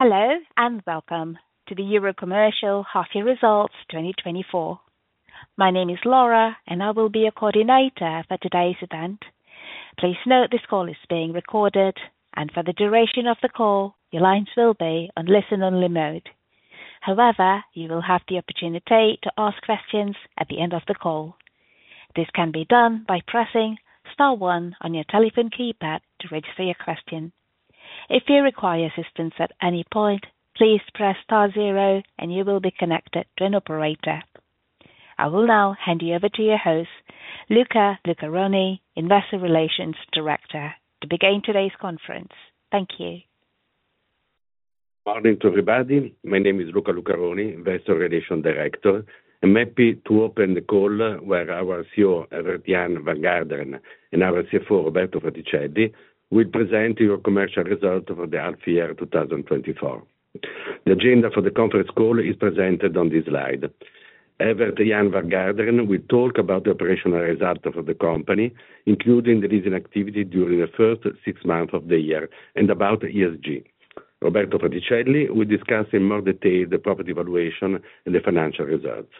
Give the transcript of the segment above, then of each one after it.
Hello, and welcome to the Eurocommercial Half Year Results 2024. My name is Laura, and I will be your coordinator for today's event. Please note, this call is being recorded, and for the duration of the call, your lines will be on listen-only mode. However, you will have the opportunity to ask questions at the end of the call. This can be done by pressing star one on your telephone keypad to register your question. If you require assistance at any point, please press star zero and you will be connected to an operator. I will now hand you over to your host, Luca Lucaroni, Investor Relations Director, to begin today's conference. Thank you. Morning to everybody. My name is Luca Lucaroni, Investor Relations Director. I'm happy to open the call where our CEO, Evert-Jan van Garderen, and our CFO, Roberto Fraticelli, will present Eurocommercial results for the half year two thousand and twenty-four. The agenda for the conference call is presented on this slide. Evert-Jan van Garderen will talk about the operational results of the company, including the leasing activity during the first six months of the year and about ESG. Roberto Fraticelli will discuss in more detail the property valuation and the financial results.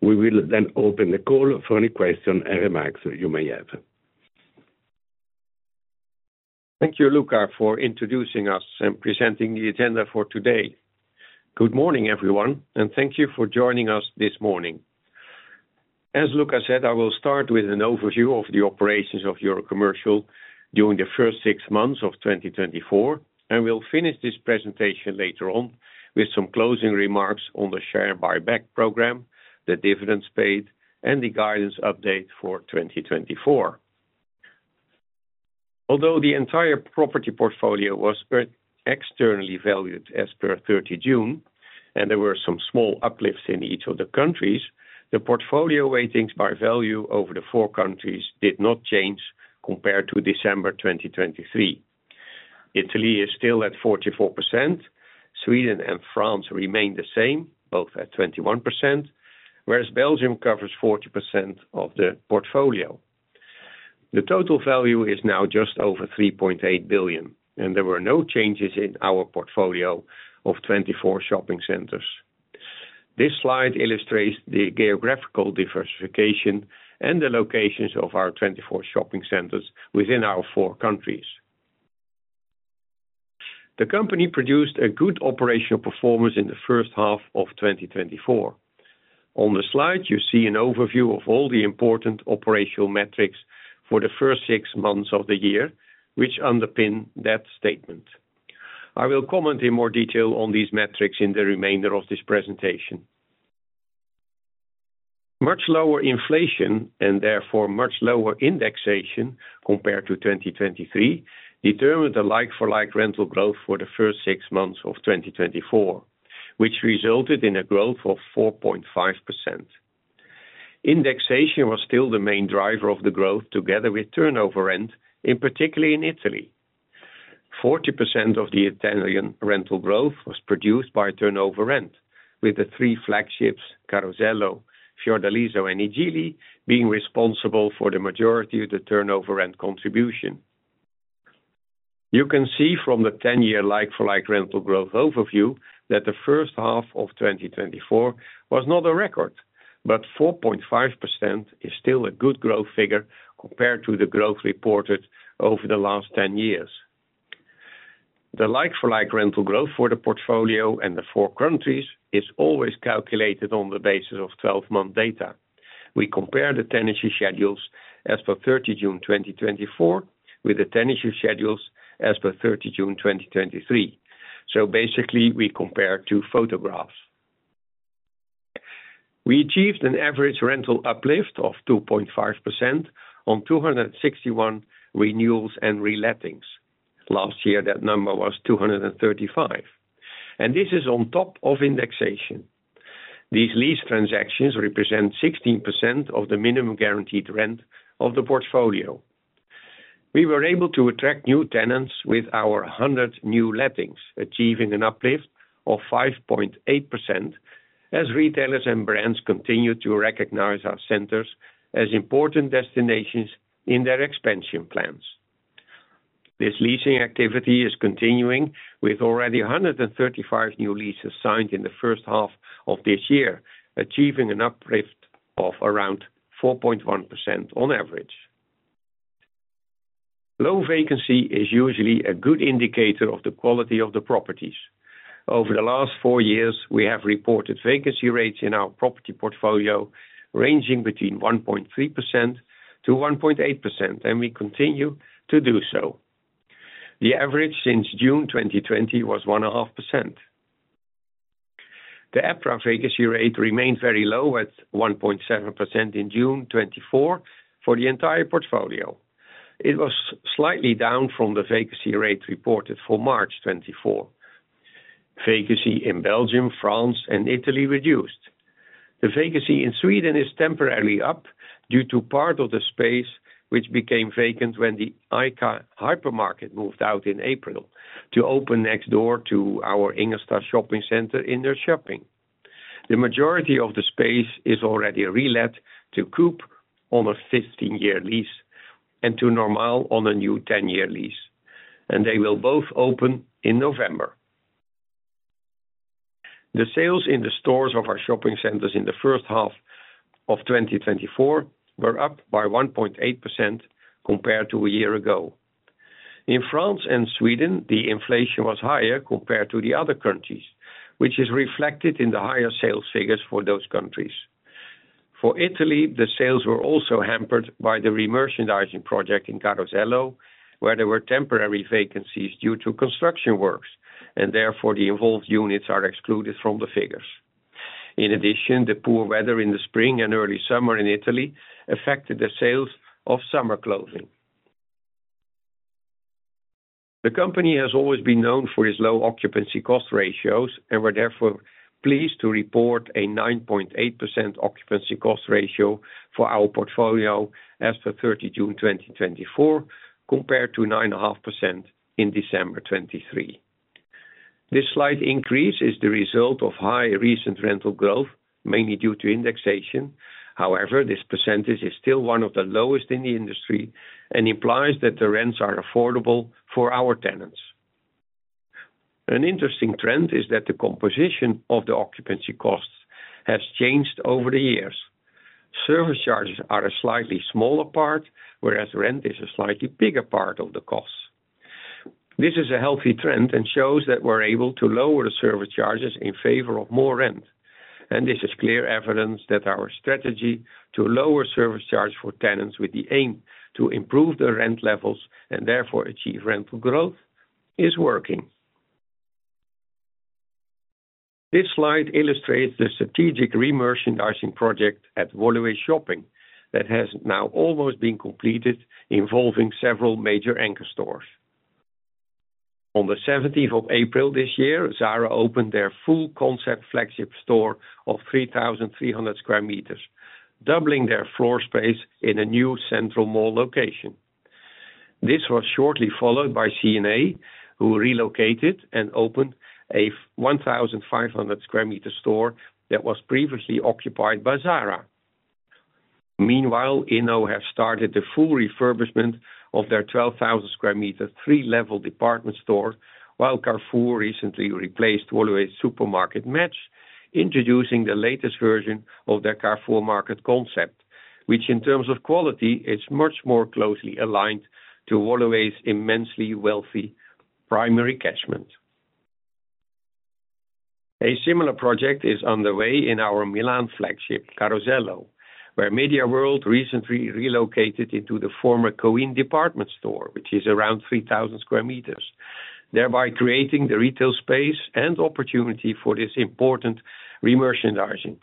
We will then open the call for any questions and remarks you may have. Thank you, Luca, for introducing us and presenting the agenda for today. Good morning, everyone, and thank you for joining us this morning. As Luca said, I will start with an overview of the operations of Eurocommercial during the first six months of 2024, and we'll finish this presentation later on with some closing remarks on the share buyback program, the dividends paid, and the guidance update for 2024. Although the entire property portfolio was appraised externally valued as per 30 June, and there were some small uplifts in each of the countries, the portfolio weightings by value over the four countries did not change compared to December 2023. Italy is still at 44%, Sweden and France remain the same, both at 21%, whereas Belgium covers 40% of the portfolio. The total value is now just over 3.8 billion, and there were no changes in our portfolio of 24 shopping centers. This slide illustrates the geographical diversification and the locations of our 24 shopping centers within our four countries. The company produced a good operational performance in the first half of 2024. On the slide, you see an overview of all the important operational metrics for the first six months of the year, which underpin that statement. I will comment in more detail on these metrics in the remainder of this presentation. Much lower inflation, and therefore much lower indexation compared to 2023, determined the like-for-like rental growth for the first six months of 2024, which resulted in a growth of 4.5%. Indexation was still the main driver of the growth, together with turnover rent, in particular in Italy. 40% of the Italian rental growth was produced by turnover rent, with the three flagships, Carosello, Fiordaliso, and I Gigli, being responsible for the majority of the turnover rent contribution. You can see from the 10-year like-for-like rental growth overview that the first half of 2024 was not a record, but 4.5% is still a good growth figure compared to the growth reported over the last 10 years. The like-for-like rental growth for the portfolio and the four countries is always calculated on the basis of 12-month data. We compare the tenancy schedules as per 30 June 2024, with the tenancy schedules as per 30 June 2023. So basically, we compare two photographs. We achieved an average rental uplift of 2.5% on 261 renewals and relettings. Last year, that number was 235, and this is on top of indexation. These lease transactions represent 16% of the minimum guaranteed rent of the portfolio. We were able to attract new tenants with our 100 new lettings, achieving an uplift of 5.8%, as retailers and brands continue to recognize our centers as important destinations in their expansion plans. This leasing activity is continuing with already 135 new leases signed in the first half of this year, achieving an uplift of around 4.1% on average. Low vacancy is usually a good indicator of the quality of the properties. Over the last four years, we have reported vacancy rates in our property portfolio, ranging between 1.3% to 1.8%, and we continue to do so. The average since June 2020 was 1.5%. The EPRA vacancy rate remained very low at 1.7% in June 2024 for the entire portfolio. It was slightly down from the vacancy rate reported for March 2024. Vacancy in Belgium, France, and Italy reduced. The vacancy in Sweden is temporarily up due to part of the space, which became vacant when the ICA hypermarket moved out in April to open next door to our Ingelsta Shopping center in their shopping.... The majority of the space is already relet to Coop on a 15-year lease and to Normal on a new 10-year lease, and they will both open in November. The sales in the stores of our shopping centers in the first half of 2024 were up by 1.8% compared to a year ago. In France and Sweden, the inflation was higher compared to the other countries, which is reflected in the higher sales figures for those countries. For Italy, the sales were also hampered by the remerchandising project in Carosello, where there were temporary vacancies due to construction works, and therefore the involved units are excluded from the figures. In addition, the poor weather in the spring and early summer in Italy affected the sales of summer clothing. The company has always been known for its low occupancy cost ratios and we're therefore pleased to report a 9.8% occupancy cost ratio for our portfolio as of 30 June 2024, compared to 9.5% in December 2023. This slight increase is the result of high recent rental growth, mainly due to indexation. However, this percentage is still one of the lowest in the industry and implies that the rents are affordable for our tenants. An interesting trend is that the composition of the occupancy costs has changed over the years. Service charges are a slightly smaller part, whereas rent is a slightly bigger part of the costs. This is a healthy trend and shows that we're able to lower the service charges in favor of more rent, and this is clear evidence that our strategy to lower service charge for tenants with the aim to improve the rent levels and therefore achieve rental growth is working. This slide illustrates the strategic remerchandising project at Woluwe Shopping that has now almost been completed, involving several major anchor stores. On the seventeenth of April this year, Zara opened their full concept flagship store of 3,300 square meters, doubling their floor space in a new central mall location. This was shortly followed by C&A, who relocated and opened a 1,500 square meter store that was previously occupied by Zara. Meanwhile, Inno have started the full refurbishment of their 12,000 square meter, three-level department store, while Carrefour recently replaced Woluwe Supermarket Match, introducing the latest version of their Carrefour Market concept, which in terms of quality, is much more closely aligned to Woluwe's immensely wealthy primary catchment. A similar project is underway in our Milan flagship, Carosello, where MediaWorld recently relocated into the former Coin department store, which is around 3,000 square meters, thereby creating the retail space and opportunity for this important remerchandising,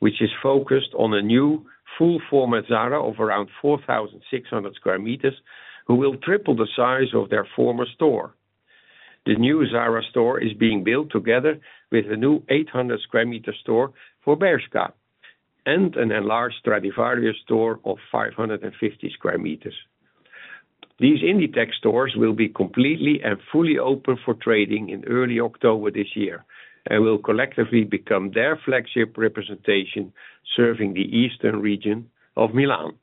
which is focused on a new full-format Zara of around 4,600 square meters, who will triple the size of their former store. The new Zara store is being built together with a new 800 square meter store for Bershka and an enlarged Stradivarius store of 550 square meters. These Inditex stores will be completely and fully open for trading in early October this year, and will collectively become their flagship representation, serving the eastern region of Milan.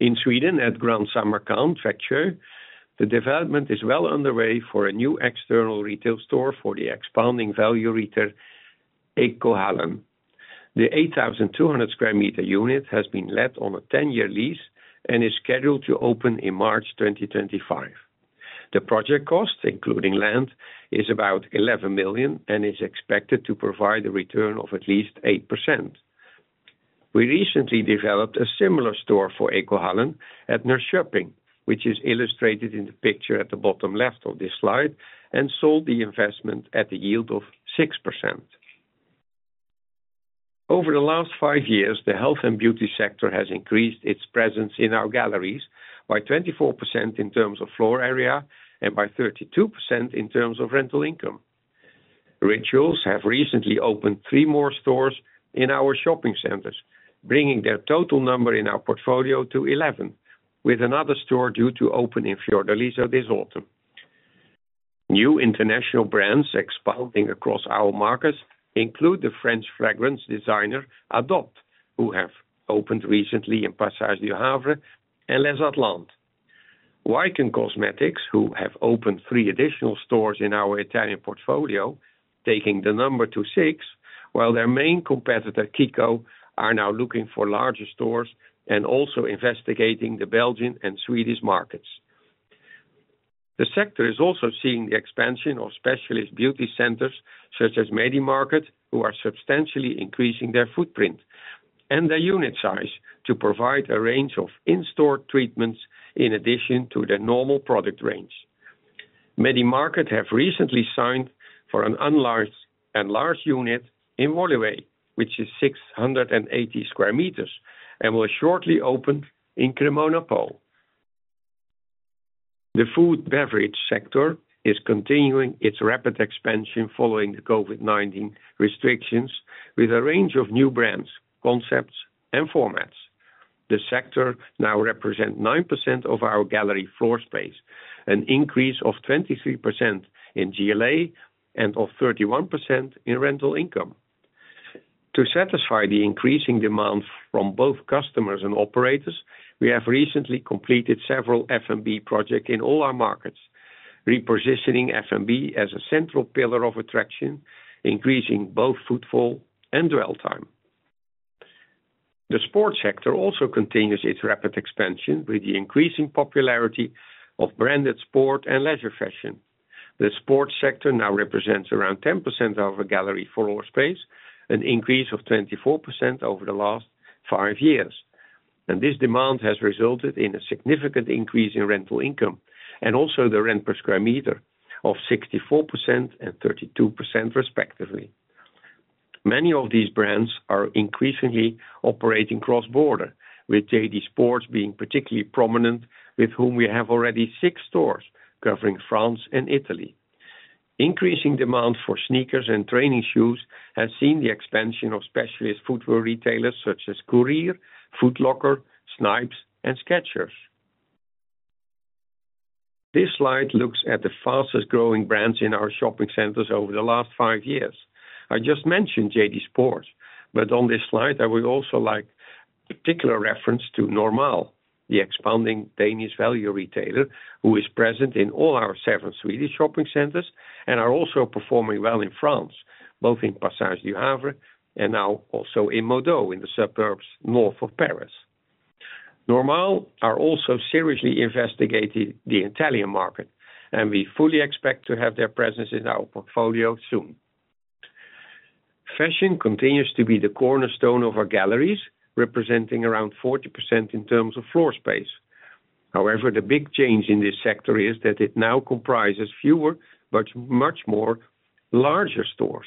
In Sweden, at Grand Samarkand Växjö, the development is well underway for a new external retail store for the expanding value retailer, Ekohallen. The 8,200 square meter unit has been let on a ten-year lease and is scheduled to open in March 2025. The project cost, including land, is about 11 million and is expected to provide a return of at least 8%. We recently developed a similar store for Ekohallen at Norrköping, which is illustrated in the picture at the bottom left of this slide, and sold the investment at a yield of 6%. Over the last five years, the health and beauty sector has increased its presence in our galleries by 24% in terms of floor area and by 32% in terms of rental income. Rituals have recently opened three more stores in our shopping centers, bringing their total number in our portfolio to 11, with another store due to open in Fiordaliso this autumn. New international brands expanding across our markets include the French fragrance designer, Adopt', who have opened recently in Passage du Havre and Les Atlantes. Wycon Cosmetics, who have opened three additional stores in our Italian portfolio, taking the number to six, while their main competitor, Kiko, are now looking for larger stores and also investigating the Belgian and Swedish markets. The sector is also seeing the expansion of specialist beauty centers such as Medi-Market, who are substantially increasing their footprint and their unit size to provide a range of in-store treatments in addition to their normal product range. Medi-Market have recently signed for an enlarged unit in Woluwe, which is 680 sq m, and will shortly open in CremonaPo. The food and beverage sector is continuing its rapid expansion following the COVID-19 restrictions with a range of new brands, concepts and formats.... The sector now represents 9% of our gallery floor space, an increase of 23% in GLA and of 31% in rental income. To satisfy the increasing demand from both customers and operators, we have recently completed several F&B projects in all our markets, repositioning F&B as a central pillar of attraction, increasing both footfall and dwell time. The sports sector also continues its rapid expansion with the increasing popularity of branded sport and leisure fashion. The sports sector now represents around 10% of our gallery floor space, an increase of 24% over the last five years, and this demand has resulted in a significant increase in rental income, and also the rent per square meter of 64% and 32% respectively. Many of these brands are increasingly operating cross-border, with JD Sports being particularly prominent, with whom we have already six stores covering France and Italy. Increasing demand for sneakers and training shoes has seen the expansion of specialist footwear retailers such as Courir, Foot Locker, Snipes and Skechers. This slide looks at the fastest growing brands in our shopping centers over the last five years. I just mentioned JD Sports, but on this slide, I would also like particular reference to Normal, the expanding Danish value retailer, who is present in all our seven Swedish shopping centers and are also performing well in France, both in Passage du Havre and now also in MoDo, in the suburbs north of Paris. Normal are also seriously investigating the Italian market, and we fully expect to have their presence in our portfolio soon. Fashion continues to be the cornerstone of our galleries, representing around 40% in terms of floor space. However, the big change in this sector is that it now comprises fewer but much more larger stores.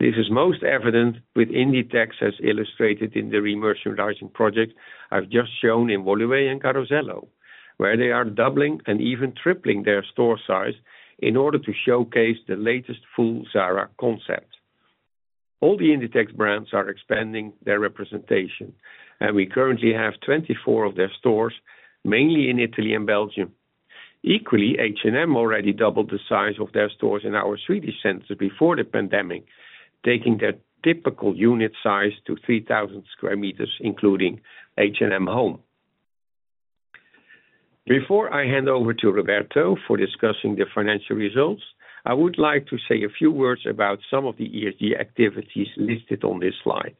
This is most evident with Inditex, as illustrated in the remerchandising project I've just shown in Woluwe and Carosello, where they are doubling and even tripling their store size in order to showcase the latest full Zara concept. All the Inditex brands are expanding their representation, and we currently have 24 of their stores, mainly in Italy and Belgium. Equally, H&M already doubled the size of their stores in our Swedish centers before the pandemic, taking their typical unit size to 3,000 square meters, including H&M Home. Before I hand over to Roberto for discussing the financial results, I would like to say a few words about some of the ESG activities listed on this slide.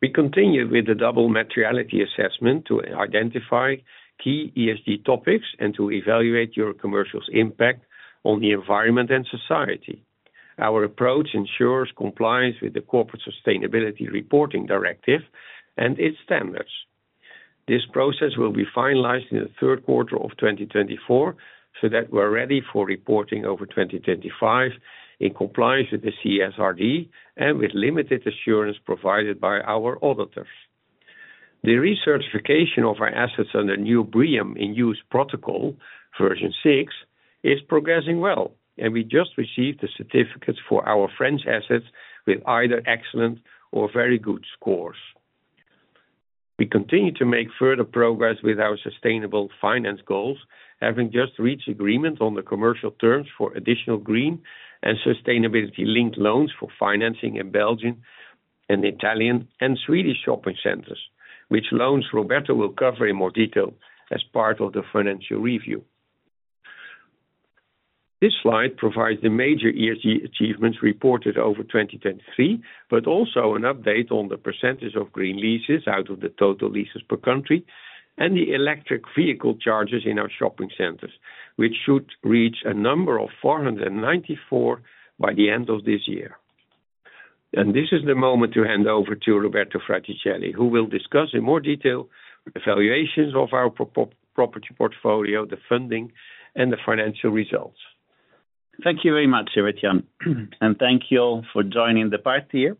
We continue with the double materiality assessment to identify key ESG topics and to evaluate Eurocommercial's impact on the environment and society. Our approach ensures compliance with the Corporate Sustainability Reporting Directive and its standards. This process will be finalized in the third quarter of twenty twenty-four, so that we're ready for reporting over twenty twenty-five in compliance with the CSRD and with limited assurance provided by our auditors. The recertification of our assets under new BREEAM In-Use Protocol version six is progressing well, and we just received the certificates for our French assets with either excellent or very good scores. We continue to make further progress with our sustainable finance goals, having just reached agreement on the commercial terms for additional green and sustainability-linked loans for financing in Belgian and Italian and Swedish shopping centers, which loans Roberto will cover in more detail as part of the financial review. This slide provides the major ESG achievements reported over 2023, but also an update on the percentage of green leases out of the total leases per country and the electric vehicle chargers in our shopping centers, which should reach a number of 494 by the end of this year, and this is the moment to hand over to Roberto Fraticelli, who will discuss in more detail the valuations of our property portfolio, the funding, and the financial results. Thank you very much, Evert Jan, and thank you all for joining the call here.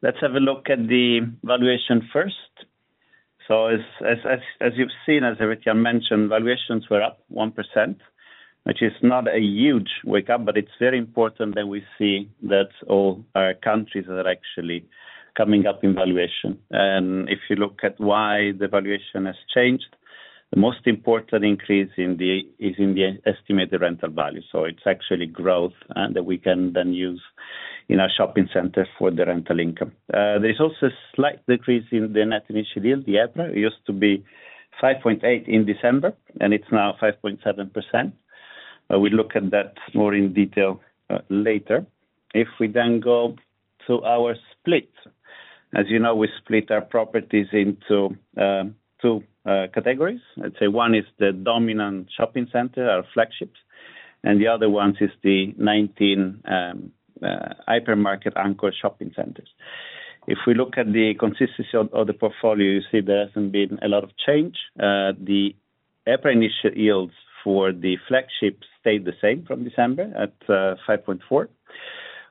Let's have a look at the valuation first. So as you've seen, as Evert Jan mentioned, valuations were up 1%, which is not a huge write-up, but it's very important that we see that all our countries are actually coming up in valuation. And if you look at why the valuation has changed, the most important increase is in the estimated rental value. So it's actually growth that we can then use in our shopping center for the rental income. There's also a slight decrease in the net initial yield. The EPRA used to be 5.8% in December, and it's now 5.7%. We'll look at that more in detail later. If we then go to our split, as you know, we split our properties into two categories. Let's say one is the dominant shopping center, our flagships, and the other ones is the 19 hypermarket anchor shopping centers. If we look at the consistency of the portfolio, you see there hasn't been a lot of change. The EPRA initial yields for the flagship stayed the same from December at 5.4%,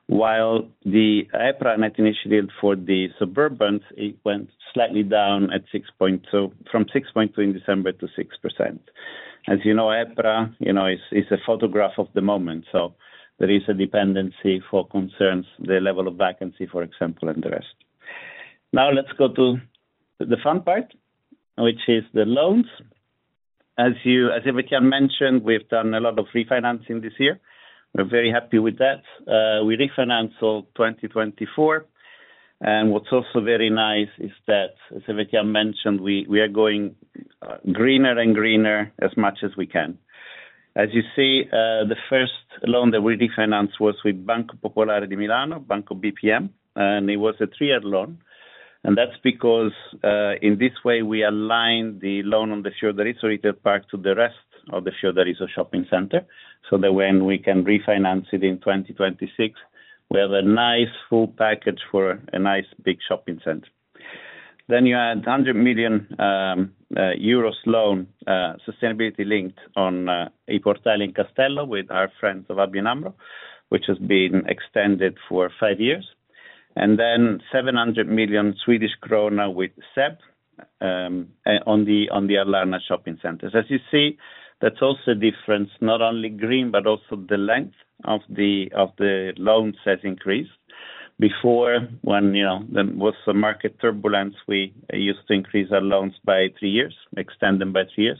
while the EPRA net initial yield for the suburbans, it went slightly down at six point. So from 6.2% in December to 6%. As you know, EPRA, you know, is a photograph of the moment, so there is a dependency for concerns, the level of vacancy, for example, and the rest. Now let's go to the fun part, which is the loans. As Evert-Jan mention, we've done a lot of refinancing this year. We're very happy with that. We refinance till 2024, and what's also very nice is that, as Evert mentioned, we are going greener and greener as much as we can. As you see, the first loan that we refinanced was with Banco Popolare di Milano, Banco BPM, and it was a three-year loan. That's because, in this way, we align the loan on the Fiordaliso retail park to the rest of the Fiordaliso shopping center, so that when we can refinance it in 2026, we have a nice full package for a nice, big shopping center. Then you add 100 million euros sustainability-linked loan on I Portali and Il Castello with our friends at ABN AMRO, which has been extended for five years, and then 700 million Swedish krona with SEB on the Hallarna shopping center. As you see, that's also different, not only green, but also the length of the loans has increased. Before, when, you know, there was some market turbulence, we used to increase our loans by three years, extend them by three years,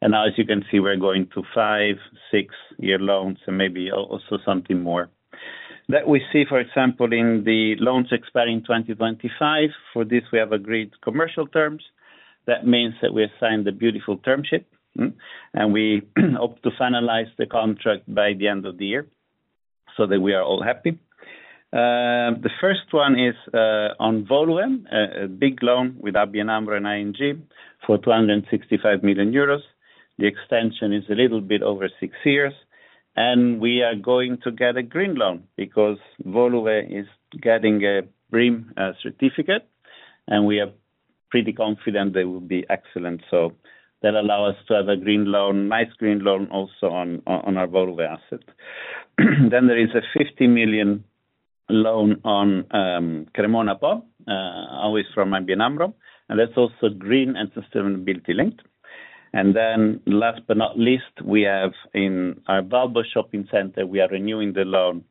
and now, as you can see, we're going to five, six-year loans and maybe also something more. That we see, for example, in the loans expiring in 2025. For this, we have agreed commercial terms. That means that we have signed a beautiful term sheet, and we hope to finalize the contract by the end of the year so that we are all happy. The first one is, on Woluwe, a big loan with ABN AMRO and ING for 265 million euros. The extension is a little bit over six years, and we are going to get a green loan because Woluwe is getting a BREEAM certificate, and we are pretty confident they will be excellent. So that allow us to have a green loan, nice green loan also on, on our Woluwe asset. Then there is a 50 million EUR loan on, CremonaPo, always from ABN AMRO, and that's also green and sustainability linked. And then last but not least, we have in our Valbo Shopping Center. We are renewing the loan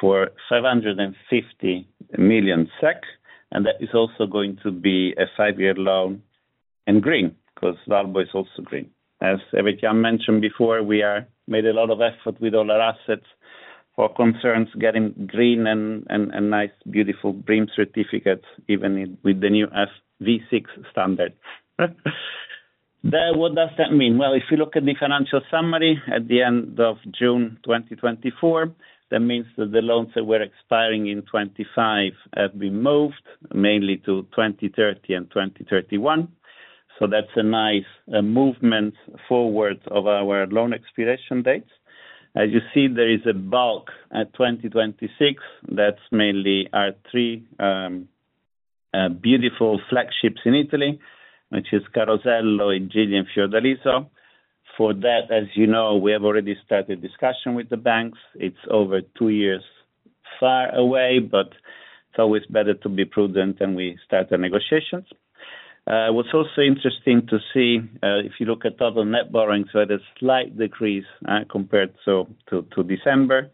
for 750 million SEK, and that is also going to be a five-year loan and green, because Valbo is also green. As Evert-Jan mentioned before, we have made a lot of effort with all our assets in terms of getting green and nice, beautiful BREEAM certificates, even with the new V6 standard. Then what does that mean? Well, if you look at the financial summary at the end of June 2024, that means that the loans that were expiring in 2025 have been moved mainly to 2030 and 2031. So that's a nice movement forward of our loan expiration dates. As you see, there is a bulk at 2026. That's mainly our three beautiful flagships in Italy, which is Carosello, I Gigli, and Fiordaliso. For that, as you know, we have already started discussion with the banks. It's over two years far away, but it's always better to be prudent, and we start the negotiations. What's also interesting to see, if you look at total net borrowings, so at a slight decrease, compared to December.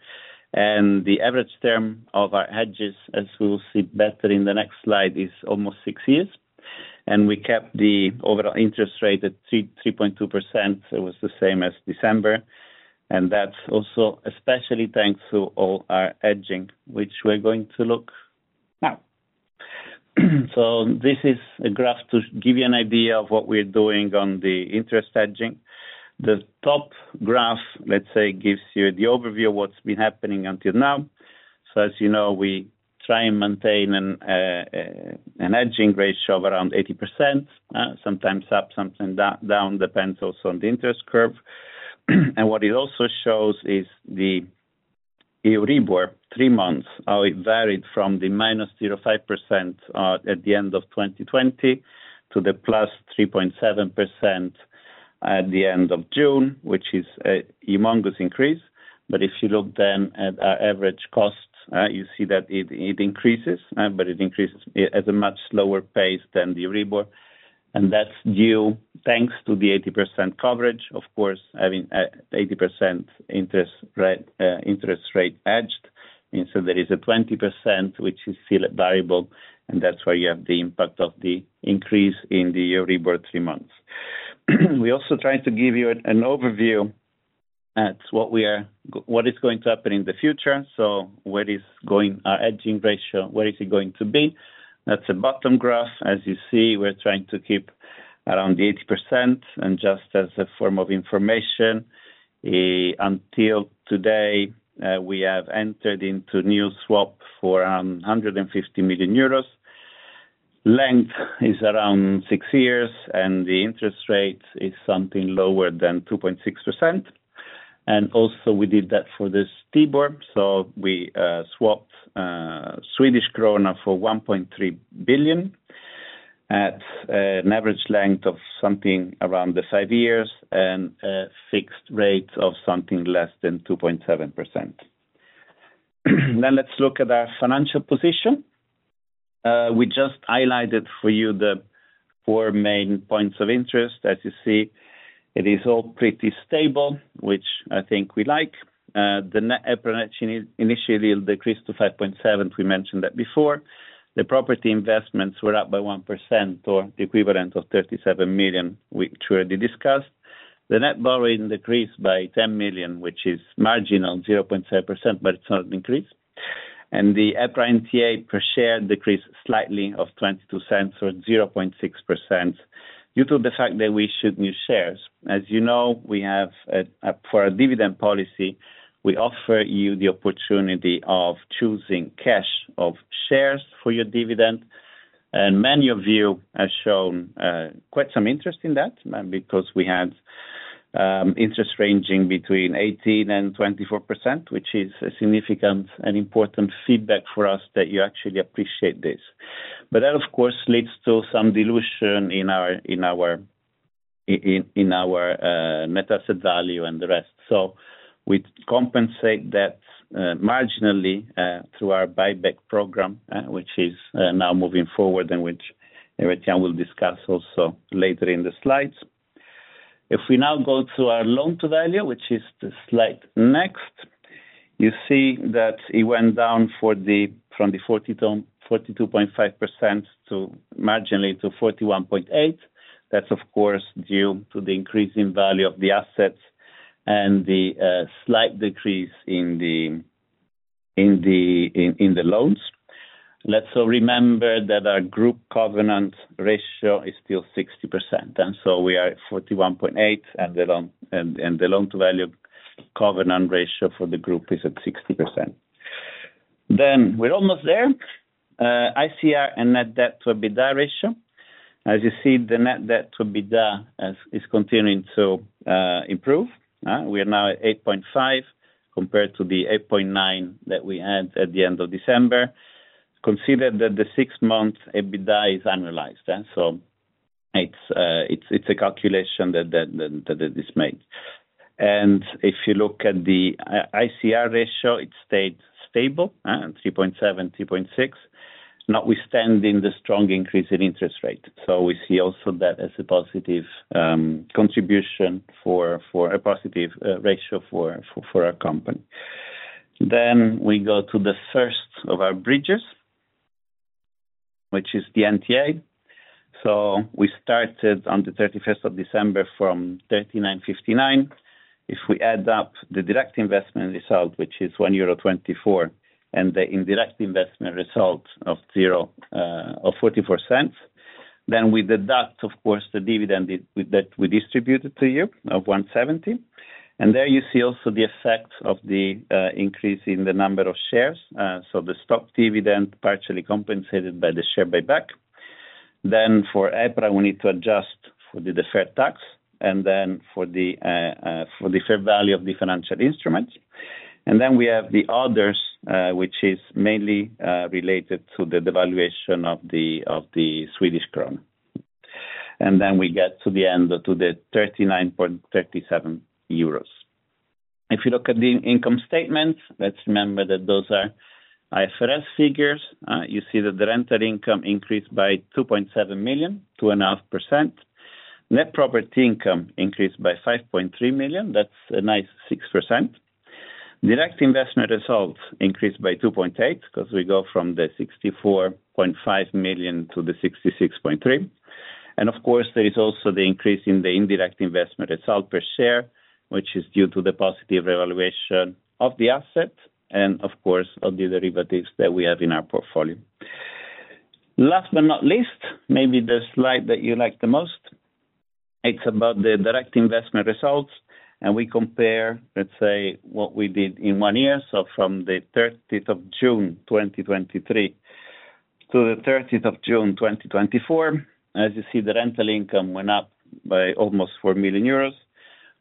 And the average term of our hedges, as we will see better in the next slide, is almost six years, and we kept the overall interest rate at 3.2%. It was the same as December, and that's also especially thanks to all our hedging, which we're going to look now. This is a graph to give you an idea of what we're doing on the interest hedging. The top graph, let's say, gives you the overview of what's been happening until now, so as you know, we try and maintain a hedging ratio of around 80%, sometimes up, sometimes down, depends also on the interest curve, and what it also shows is the Euribor three months, how it varied from the -0.5% at the end of 2020 to the +3.7% at the end of June, which is a humongous increase, but if you look then at our average cost, you see that it increases, but it increases at a much slower pace than the Euribor, and that's due thanks to the 80% coverage. Of course, having 80% interest rate hedged, and so there is a 20% which is still variable, and that's why you have the impact of the increase in the Euribor three months. We're also trying to give you an overview at what is going to happen in the future. So where is going our hedging ratio, where is it going to be? That's a bottom graph. As you see, we're trying to keep around the 80%, and just as a form of information, until today, we have entered into new swap for 150 million euros. Length is around 6 years, and the interest rate is something lower than 2.6%. And also we did that for the Stibor, so we swapped Swedish krona for 1.3 billion at an average length of something around the 5 years and a fixed rate of something less than 2.7%. Then let's look at our financial position. We just highlighted for you the 4 main points of interest. As you see, it is all pretty stable, which I think we like. The net EPRA net initial yield will decrease to 5.7%, we mentioned that before. The property investments were up by 1% or the equivalent of 37 million, which we already discussed. The net borrowing decreased by 10 million, which is marginal, 0.7%, but it's not an increase. And the EPRA NTA per share decreased slightly of 0.22, or 0.6%, due to the fact that we issued new shares. As you know, we have for our dividend policy, we offer you the opportunity of choosing cash or shares for your dividend, and many of you have shown quite some interest in that, because we had interest ranging between 18% and 24%, which is a significant and important feedback for us that you actually appreciate this. But that, of course, leads to some dilution in our in our in our net asset value and the rest. So we compensate that marginally through our buyback program, which is now moving forward, and which Evert-Jan-- we'll discuss also later in the slides. If we now go to our loan to value, which is the next slide, you see that it went down from the 40 to 42.5% to marginally to 41.8%. That's, of course, due to the increase in value of the assets and the slight decrease in the loans. Let's remember that our group covenant ratio is still 60%, and so we are at 41.8%, and the loan to value covenant ratio for the group is at 60%. Then, we're almost there. ICR and net debt to EBITDA ratio. As you see, the net debt to EBITDA is continuing to improve. We are now at 8.5, compared to the 8.9 that we had at the end of December. Consider that the six months EBITDA is annualized, so it's a calculation that is made. And if you look at the ICR ratio, it stayed stable, 3.7, 3.6, notwithstanding the strong increase in interest rate. So we see also that as a positive contribution for a positive ratio for our company. Then we go to the first of our bridges, which is the NTA. So we started on the thirty-first of December from 39.59. If we add up the direct investment result, which is 1.24 euro, and the indirect investment result of 0.44, then we deduct, of course, the dividend that we distributed to you of 1.70. And there you see also the effect of the increase in the number of shares. So the stock dividend partially compensated by the share buyback. Then for EPRA, we need to adjust for the deferred tax, and then for the fair value of the financial instruments. And then we have the others, which is mainly related to the devaluation of the Swedish krona. And then we get to the end, to the 39.37 euros. If you look at the income statement, let's remember that those are IFRS figures. You see that the rental income increased by 2.7 million EUR, 2.5%. Net property income increased by 5.3 million EUR, that's a nice 6%. Direct investment results increased by 2.8, 'cause we go from the 64.5 million EUR to the 66.3 million EUR. Of course, there is also the increase in the indirect investment result per share, which is due to the positive revaluation of the asset, and of course, of the derivatives that we have in our portfolio. Last but not least, maybe the slide that you like the most, it's about the direct investment results, and we compare, let's say, what we did in one year, so from the thirtieth of June, twenty twenty-three, to the thirtieth of June, twenty twenty-four. As you see, the rental income went up by almost 4 million euros.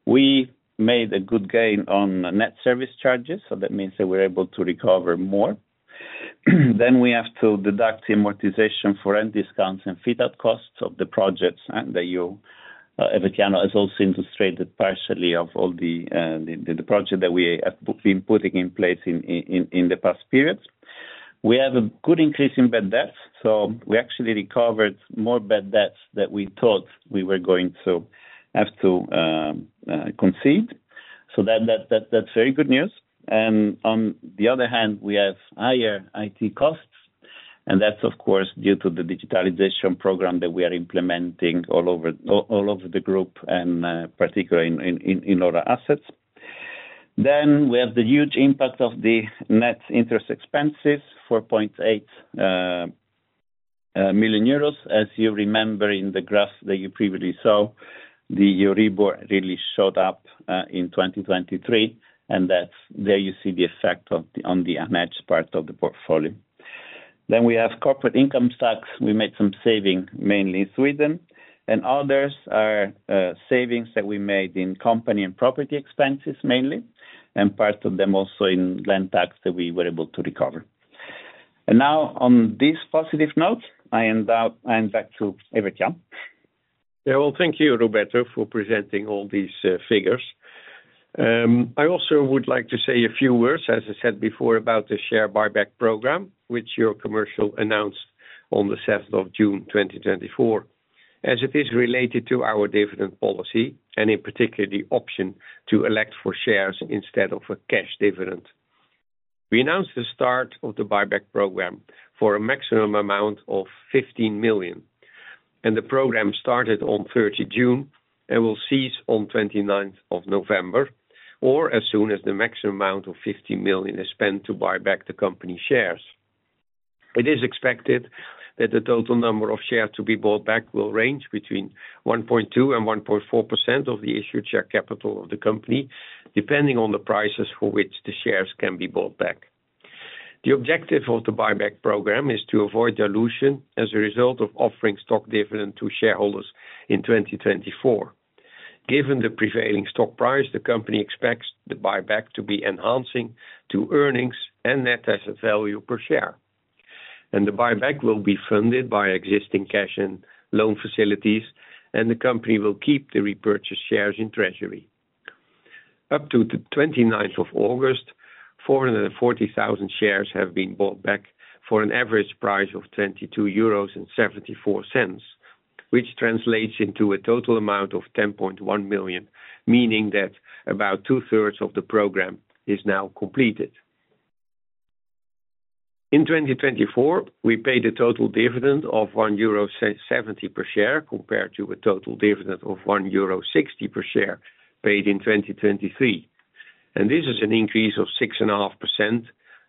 We made a good gain on net service charges, so that means that we're able to recover more. Then we have to deduct the amortization for rent discounts and fit-out costs of the projects that you, Evert-Jan van Garderen, has also illustrated partially of all the project that we have been putting in place in the past periods. We have a good increase in bad debts, so we actually recovered more bad debts than we thought we were going to have to concede. That's very good news. On the other hand, we have higher IT costs, and that's of course due to the digitalization program that we are implementing all over the group and particularly in our assets. Then we have the huge impact of the net interest expenses, 4.8 million euros. As you remember in the graph that you previously saw, the Euribor really showed up in twenty twenty-three, and that's there you see the effect of the, on the unmatched part of the portfolio. Then we have corporate income tax. We made some saving, mainly in Sweden, and others are savings that we made in company and property expenses mainly, and part of them also in land tax that we were able to recover. And now on this positive note, I hand out... I hand back to Evert-Jan van Garderen.... Yeah, well, thank you, Roberto, for presenting all these figures. I also would like to say a few words, as I said before, about the share buyback program, which Eurocommercial announced on the seventh of June 2024, as it is related to our dividend policy and in particular, the option to elect for shares instead of a cash dividend. We announced the start of the buyback program for a maximum amount of 15 million, and the program started on thirty June and will cease on twenty-ninth of November, or as soon as the maximum amount of 50 million is spent to buy back the company shares. It is expected that the total number of shares to be bought back will range between 1.2% and 1.4% of the issued share capital of the company, depending on the prices for which the shares can be bought back. The objective of the buyback program is to avoid dilution as a result of offering stock dividend to shareholders in 2024. Given the prevailing stock price, the company expects the buyback to be enhancing to earnings and net asset value per share, and the buyback will be funded by existing cash and loan facilities, and the company will keep the repurchase shares in treasury. Up to the 29th of August, 440,000 shares have been bought back for an average price of 22.74 euros, which translates into a total amount of 10.1 million, meaning that about two-thirds of the program is now completed. In 2024, we paid a total dividend of 1.70 euro per share, compared to a total dividend of 1.60 euro per share paid in 2023, and this is an increase of 6.5%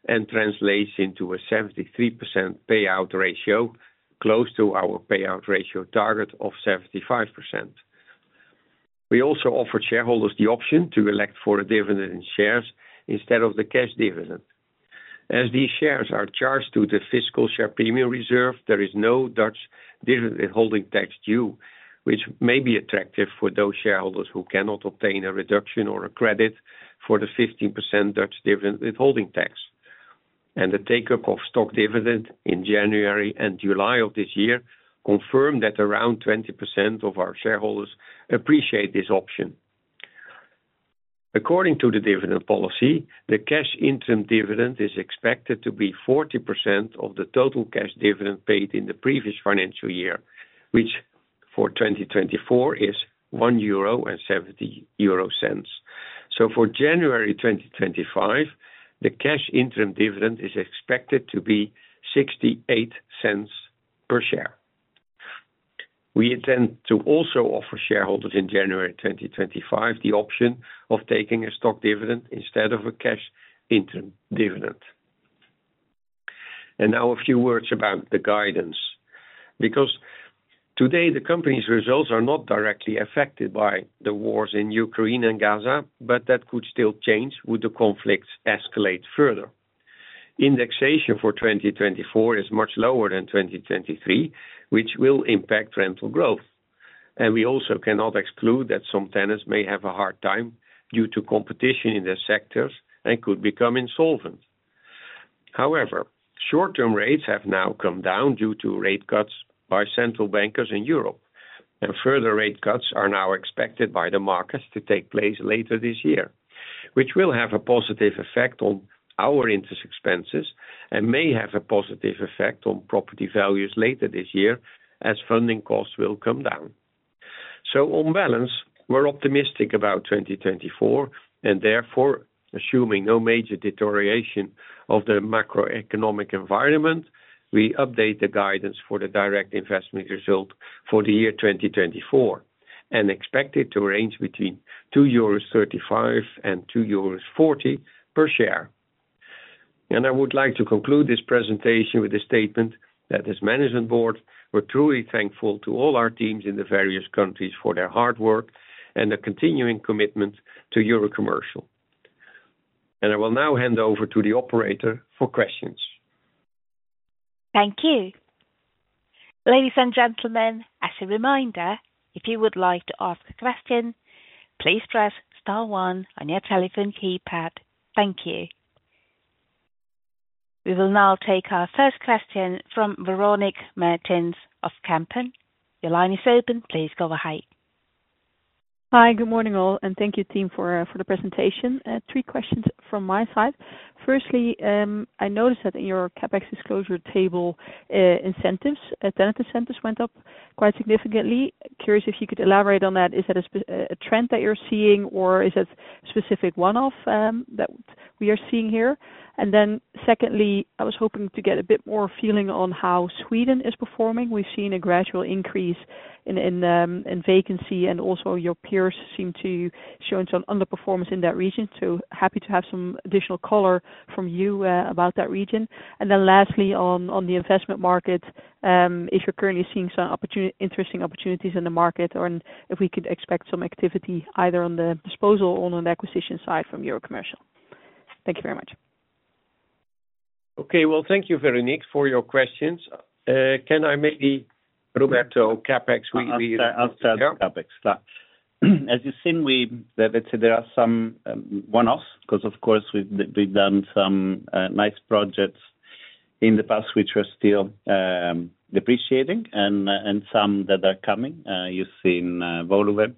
and translates into a 73% payout ratio, close to our payout ratio target of 75%. We also offered shareholders the option to elect for a dividend in shares instead of the cash dividend. As these shares are charged to the fiscal share premium reserve, there is no Dutch dividend withholding tax due, which may be attractive for those shareholders who cannot obtain a reduction or a credit for the 15% Dutch dividend withholding tax, and the take-up of stock dividend in January and July of this year confirmed that around 20% of our shareholders appreciate this option. According to the dividend policy, the cash interim dividend is expected to be 40% of the total cash dividend paid in the previous financial year, which for 2024 is 1.70 euro. So for January 2025, the cash interim dividend is expected to be 0.68 per share. We intend to also offer shareholders in January 2025 the option of taking a stock dividend instead of a cash interim dividend. And now a few words about the guidance, because today, the company's results are not directly affected by the wars in Ukraine and Gaza, but that could still change would the conflicts escalate further. Indexation for 2024 is much lower than 2023, which will impact rental growth, and we also cannot exclude that some tenants may have a hard time due to competition in their sectors and could become insolvent. However, short-term rates have now come down due to rate cuts by central bankers in Europe, and further rate cuts are now expected by the markets to take place later this year, which will have a positive effect on our interest expenses and may have a positive effect on property values later this year as funding costs will come down. So on balance, we're optimistic about twenty twenty-four, and therefore, assuming no major deterioration of the macroeconomic environment, we update the guidance for the direct investment result for the year twenty twenty-four, and expect it to range between 2.35 euros and 2.40 euros per share. And I would like to conclude this presentation with a statement that as Management Board, we're truly thankful to all our teams in the various countries for their hard work and their continuing commitment to Eurocommercial. And I will now hand over to the operator for questions. Thank you. Ladies and gentlemen, as a reminder, if you would like to ask a question, please press star one on your telephone keypad. Thank you. We will now take our first question from Veronique Meertens of Kempen. Your line is open. Please go ahead. Hi, good morning, all, and thank you, team, for the presentation. Three questions from my side. Firstly, I noticed that in your CapEx disclosure table, incentives, tenant incentives went up quite significantly. Curious if you could elaborate on that. Is that a trend that you're seeing, or is it specific one-off that we are seeing here? And then secondly, I was hoping to get a bit more feeling on how Sweden is performing. We've seen a gradual increase in vacancy, and also your peers seem to be showing some underperformance in that region. So happy to have some additional color from you about that region. Then lastly, on the investment market, if you're currently seeing some opportunity, interesting opportunities in the market, or if we could expect some activity either on the disposal or on the acquisition side from Eurocommercial? Thank you very much. Okay, well, thank you, Veronique, for your questions. Can I maybe, Roberto, CapEx? I'll start the CapEx. As you've seen, we... Let's say there are some one-offs, 'cause of course, we've done some nice projects in the past, which are still depreciating and some that are coming. You've seen Valbo,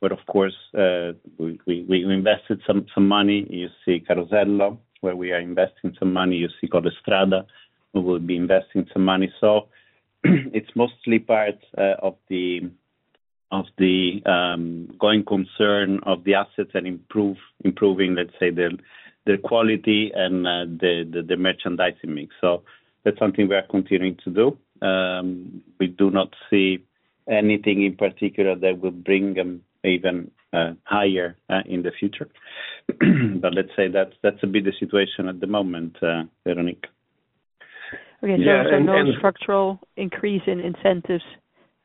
but of course, we invested some money. You see Carosello, where we are investing some money. You see Collestrada, we will be investing some money. So it's mostly part of the going concern of the assets and improving their quality and the merchandising mix. So that's something we are continuing to do. We do not see anything in particular that will bring them even higher in the future. But let's say that's a bit the situation at the moment, Veronique. Okay- Yeah, and- So no structural increase in incentives,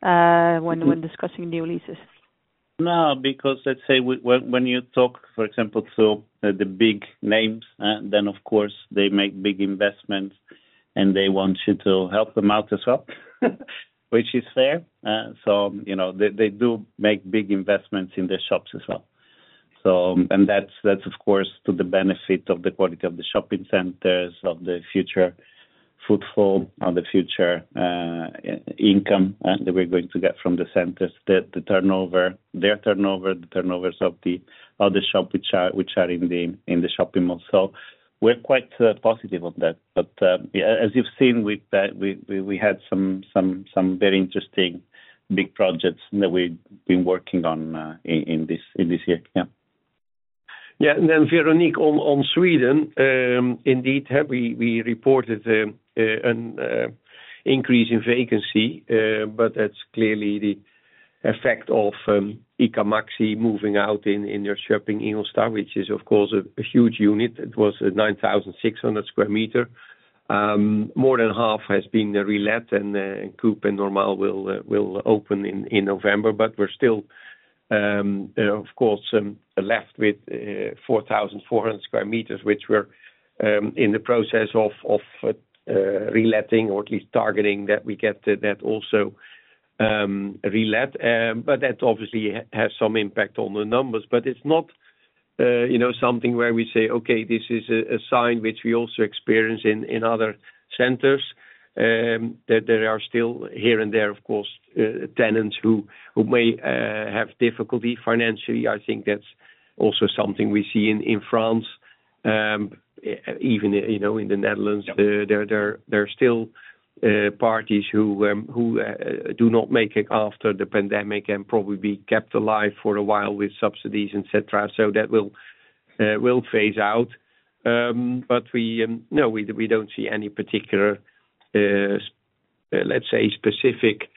Mm-hmm... when discussing new leases? No, because, let's say, when you talk, for example, to the big names, then of course, they make big investments, and they want you to help them out as well, which is fair. So, you know, they do make big investments in the shops as well. And that's, of course, to the benefit of the quality of the shopping centers, of the future footfall, of the future income that we're going to get from the centers. The turnover, their turnover, the turnovers of the other shop which are in the shopping mall. So we're quite positive of that. But, yeah, as you've seen, we had some very interesting big projects that we've been working on in this year. Yeah. Yeah, and then Veronique, on Sweden, indeed, we reported an increase in vacancy, but that's clearly the effect of ICA Maxi moving out in Ingelsta Shopping, which is, of course, a huge unit. It was 9,600 square meters. More than half has been relet, and Coop and Normal will open in November. But we're still, of course, left with 4,400 square meters, which we're in the process of reletting or at least targeting that we get that also relet. But that obviously has some impact on the numbers. But it's not, you know, something where we say, "Okay, this is a sign which we also experience in other centers." That there are still here and there, of course, tenants who may have difficulty financially. I think that's also something we see in France, even, you know, in the Netherlands. Yep. There are still parties who do not make it after the pandemic and probably be kept alive for a while with subsidies, et cetera, so that will phase out. But we don't see any particular, let's say, specific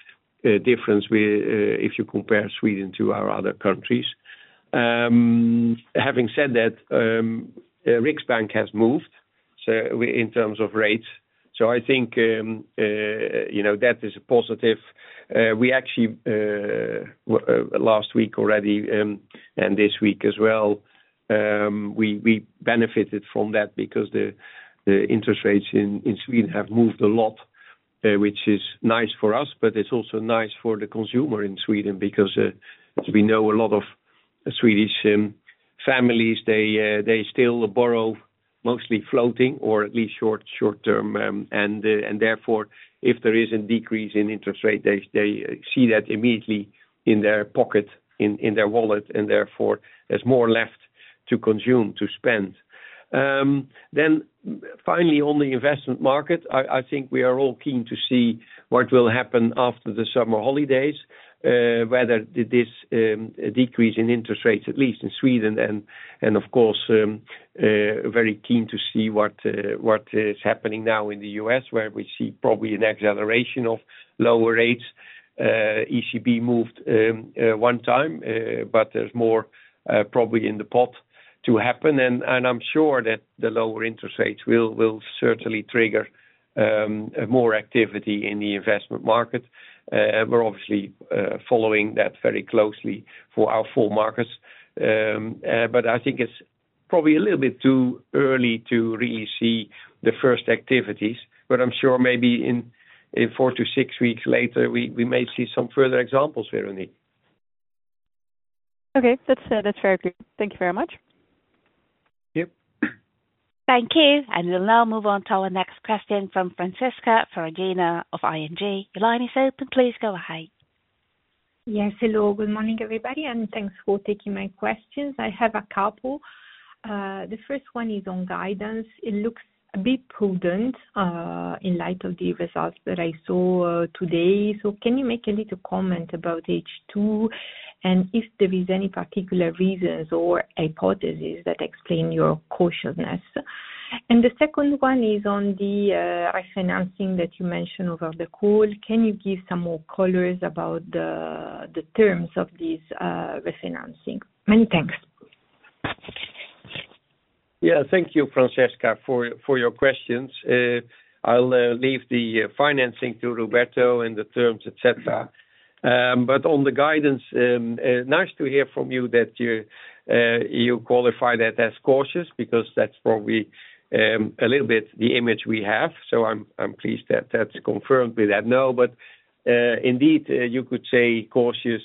difference if you compare Sweden to our other countries. Having said that, Riksbank has moved so we in terms of rates. So I think you know that is a positive. We actually last week already and this week as well we benefited from that because the interest rates in Sweden have moved a lot, which is nice for us, but it's also nice for the consumer in Sweden, because we know a lot of Swedish families they still borrow mostly floating or at least short-term and therefore, if there is a decrease in interest rate, they see that immediately in their pocket, in their wallet, and therefore there's more left to consume, to spend. Then finally, on the investment market, I think we are all keen to see what will happen after the summer holidays, whether this decrease in interest rates, at least in Sweden, and of course, very keen to see what is happening now in the U.S., where we see probably an acceleration of lower rates. ECB moved one time, but there's more probably in the pot to happen. And I'm sure that the lower interest rates will certainly trigger more activity in the investment market. We're obviously following that very closely for our four markets. But I think it's probably a little bit too early to really see the first activities, but I'm sure maybe in four to six weeks later, we may see some further examples, Veronique. Okay. That's, that's very clear. Thank you very much. Yep. Thank you, and we'll now move on to our next question from Francesca Farina of ING. The line is open, please go ahead. Yes, hello, good morning, everybody, and thanks for taking my questions. I have a couple. The first one is on guidance. It looks a bit prudent, in light of the results that I saw, today. So can you make a little comment about H2, and if there is any particular reasons or hypotheses that explain your cautiousness? And the second one is on the refinancing that you mentioned over the call. Can you give some more colors about the terms of this refinancing? Many thanks. Yeah, thank you, Francesca, for your questions. I'll leave the financing to Roberto and the terms, et cetera. But on the guidance, nice to hear from you that you qualify that as cautious, because that's probably a little bit the image we have, so I'm pleased that that's confirmed with that. No, but indeed, you could say cautious.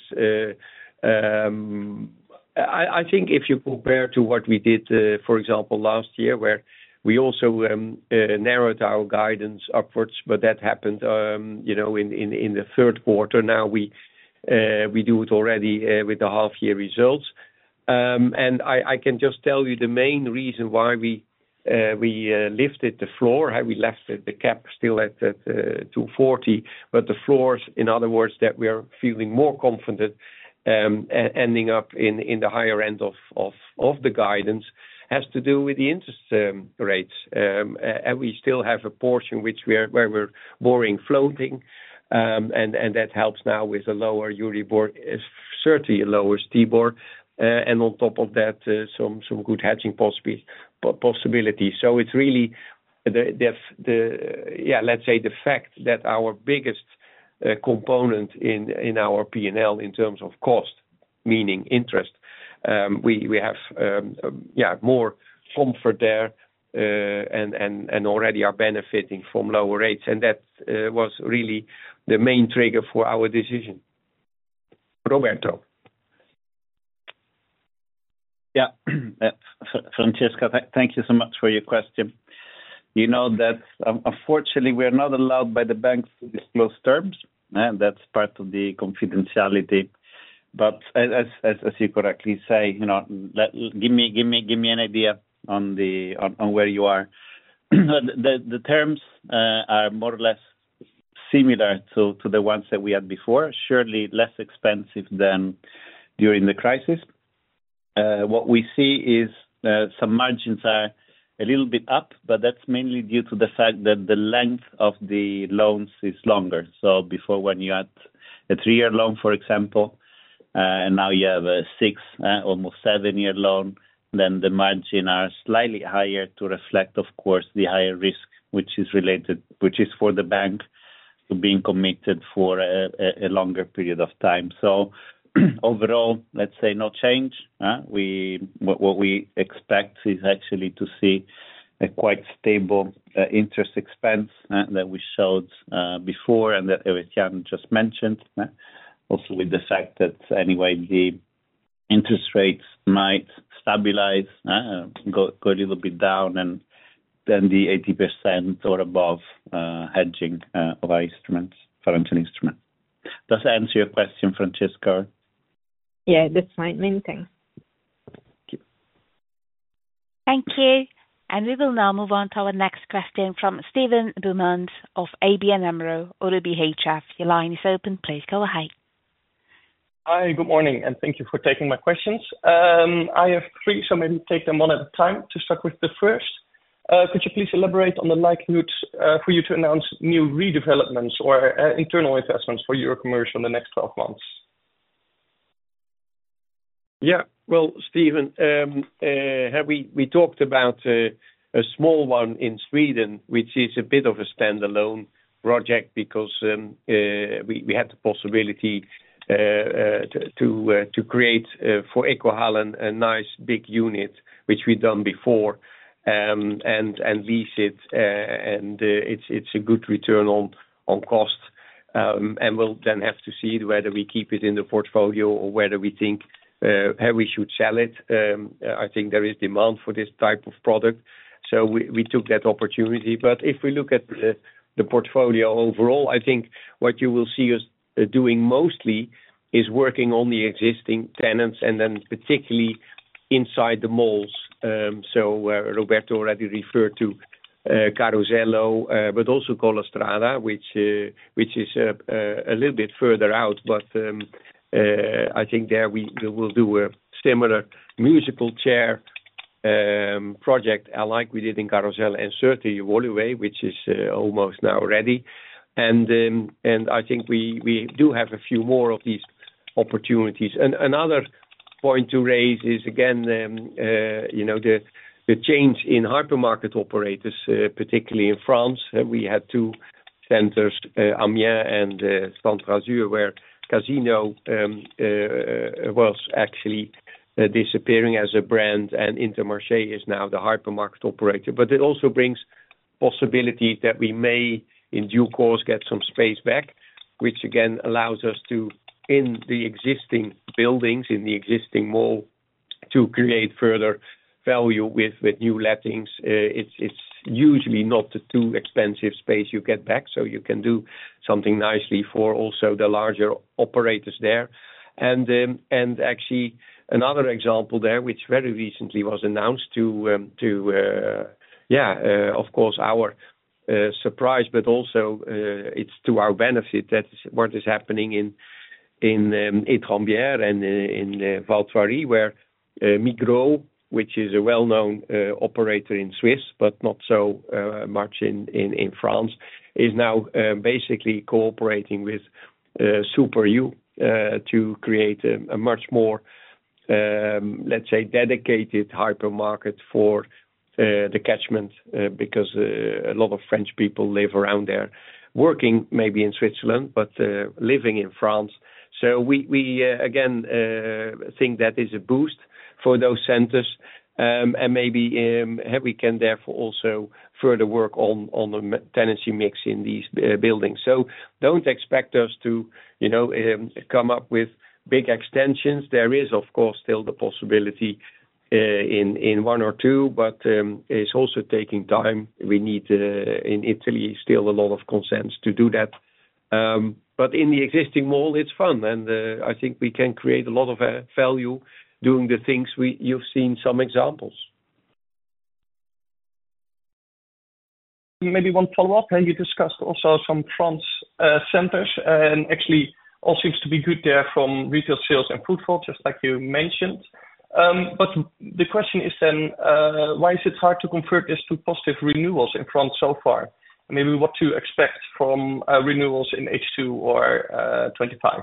I think if you compare to what we did, for example, last year, where we also narrowed our guidance upwards, but that happened, you know, in the third quarter. Now we do it already, with the half year results. I can just tell you the main reason why we lifted the floor, how we left it, the cap still at 2.40%. But the floors, in other words, that we are feeling more confident ending up in the higher end of the guidance, has to do with the interest rates. And we still have a portion where we are borrowing floating. And that helps now with the lower Euribor, certainly a lower Stibor, and on top of that, some good hedging possibilities. So it's really the fact that our biggest component in our P&L, in terms of cost, meaning interest, we have more comfort there, and already are benefiting from lower rates, and that was really the main trigger for our decision. Roberto? Yeah. Francesca, thank you so much for your question. You know that, unfortunately, we are not allowed by the banks to disclose terms. That's part of the confidentiality. But as you correctly say, you know, give me an idea on where you are. The terms are more or less similar to the ones that we had before. Surely less expensive than during the crisis. What we see is, some margins are a little bit up, but that's mainly due to the fact that the length of the loans is longer. Before, when you had a three-year loan, for example, and now you have a six, almost seven-year loan, then the margin are slightly higher to reflect, of course, the higher risk which is related, which is for the bank, to being committed for a longer period of time. So overall, let's say no change, huh? What we expect is actually to see a quite stable interest expense that we showed before, and that Evert Jan just mentioned, huh? Also with the fact that anyway, the interest rates might stabilize, go a little bit down, and then the 80% or above hedging of our instruments, financial instruments. Does that answer your question, Francesca? Yeah, that's fine. Many thanks. Thank you. Thank you, and we will now move on to our next question from Steven Boumans of ABN AMRO, ODDO BHF. Your line is open. Please go ahead. Hi, good morning, and thank you for taking my questions. I have three, so maybe take them one at a time. To start with the first, could you please elaborate on the likelihood for you to announce new redevelopments or internal investments for Eurocommercial in the next twelve months? Yeah. Well, Steven, we talked about a small one in Sweden, which is a bit of a standalone project because we had the possibility to create for Ekohallen a nice big unit, which we've done before. And lease it, and it's a good return on cost. And we'll then have to see whether we keep it in the portfolio or whether we think how we should sell it. I think there is demand for this type of product, so we took that opportunity. But if we look at the portfolio overall, I think what you will see us doing mostly is working on the existing tenants and then particularly inside the malls. So, Roberto already referred to Carosello, but also Collestrada, which is a little bit further out. But I think there we will do a similar musical chair project, like we did in Carosello and certainly Woluwe, which is almost now ready. And I think we do have a few more of these opportunities. Another point to raise is again, you know, the change in hypermarket operators, particularly in France. We had two centers, Amiens and Centr'Azur, where Casino was actually disappearing as a brand, and Intermarché is now the hypermarket operator. But it also brings possibility that we may, in due course, get some space back, which again allows us to, in the existing buildings, in the existing mall, to create further value with new lettings. It's usually not too expensive space you get back, so you can do something nicely for also the larger operators there. And actually another example there, which very recently was announced to our surprise, but also it's to our benefit, that's what is happening in Etrembières and in Val Thoiry, where Migros, which is a well-known operator in Swiss but not so much in France, is now basically cooperating with Super U to create a much more, let's say, dedicated hypermarket for the catchment. Because a lot of French people live around there, working maybe in Switzerland, but living in France. So we again think that is a boost for those centers, and maybe we can therefore also further work on the tenancy mix in these buildings. So don't expect us to, you know, come up with big extensions. There is, of course, still the possibility in one or two, but it's also taking time. We need in Italy still a lot of consents to do that. But in the existing mall, it's fun, and I think we can create a lot of value doing the things we've seen some examples. Maybe one follow-up, and you discussed also some France centers, and actually all seems to be good there from retail sales and footfall, just like you mentioned, but the question is then, why is it hard to convert this to positive renewals in France so far? Maybe what to expect from renewals in H2 or 2025?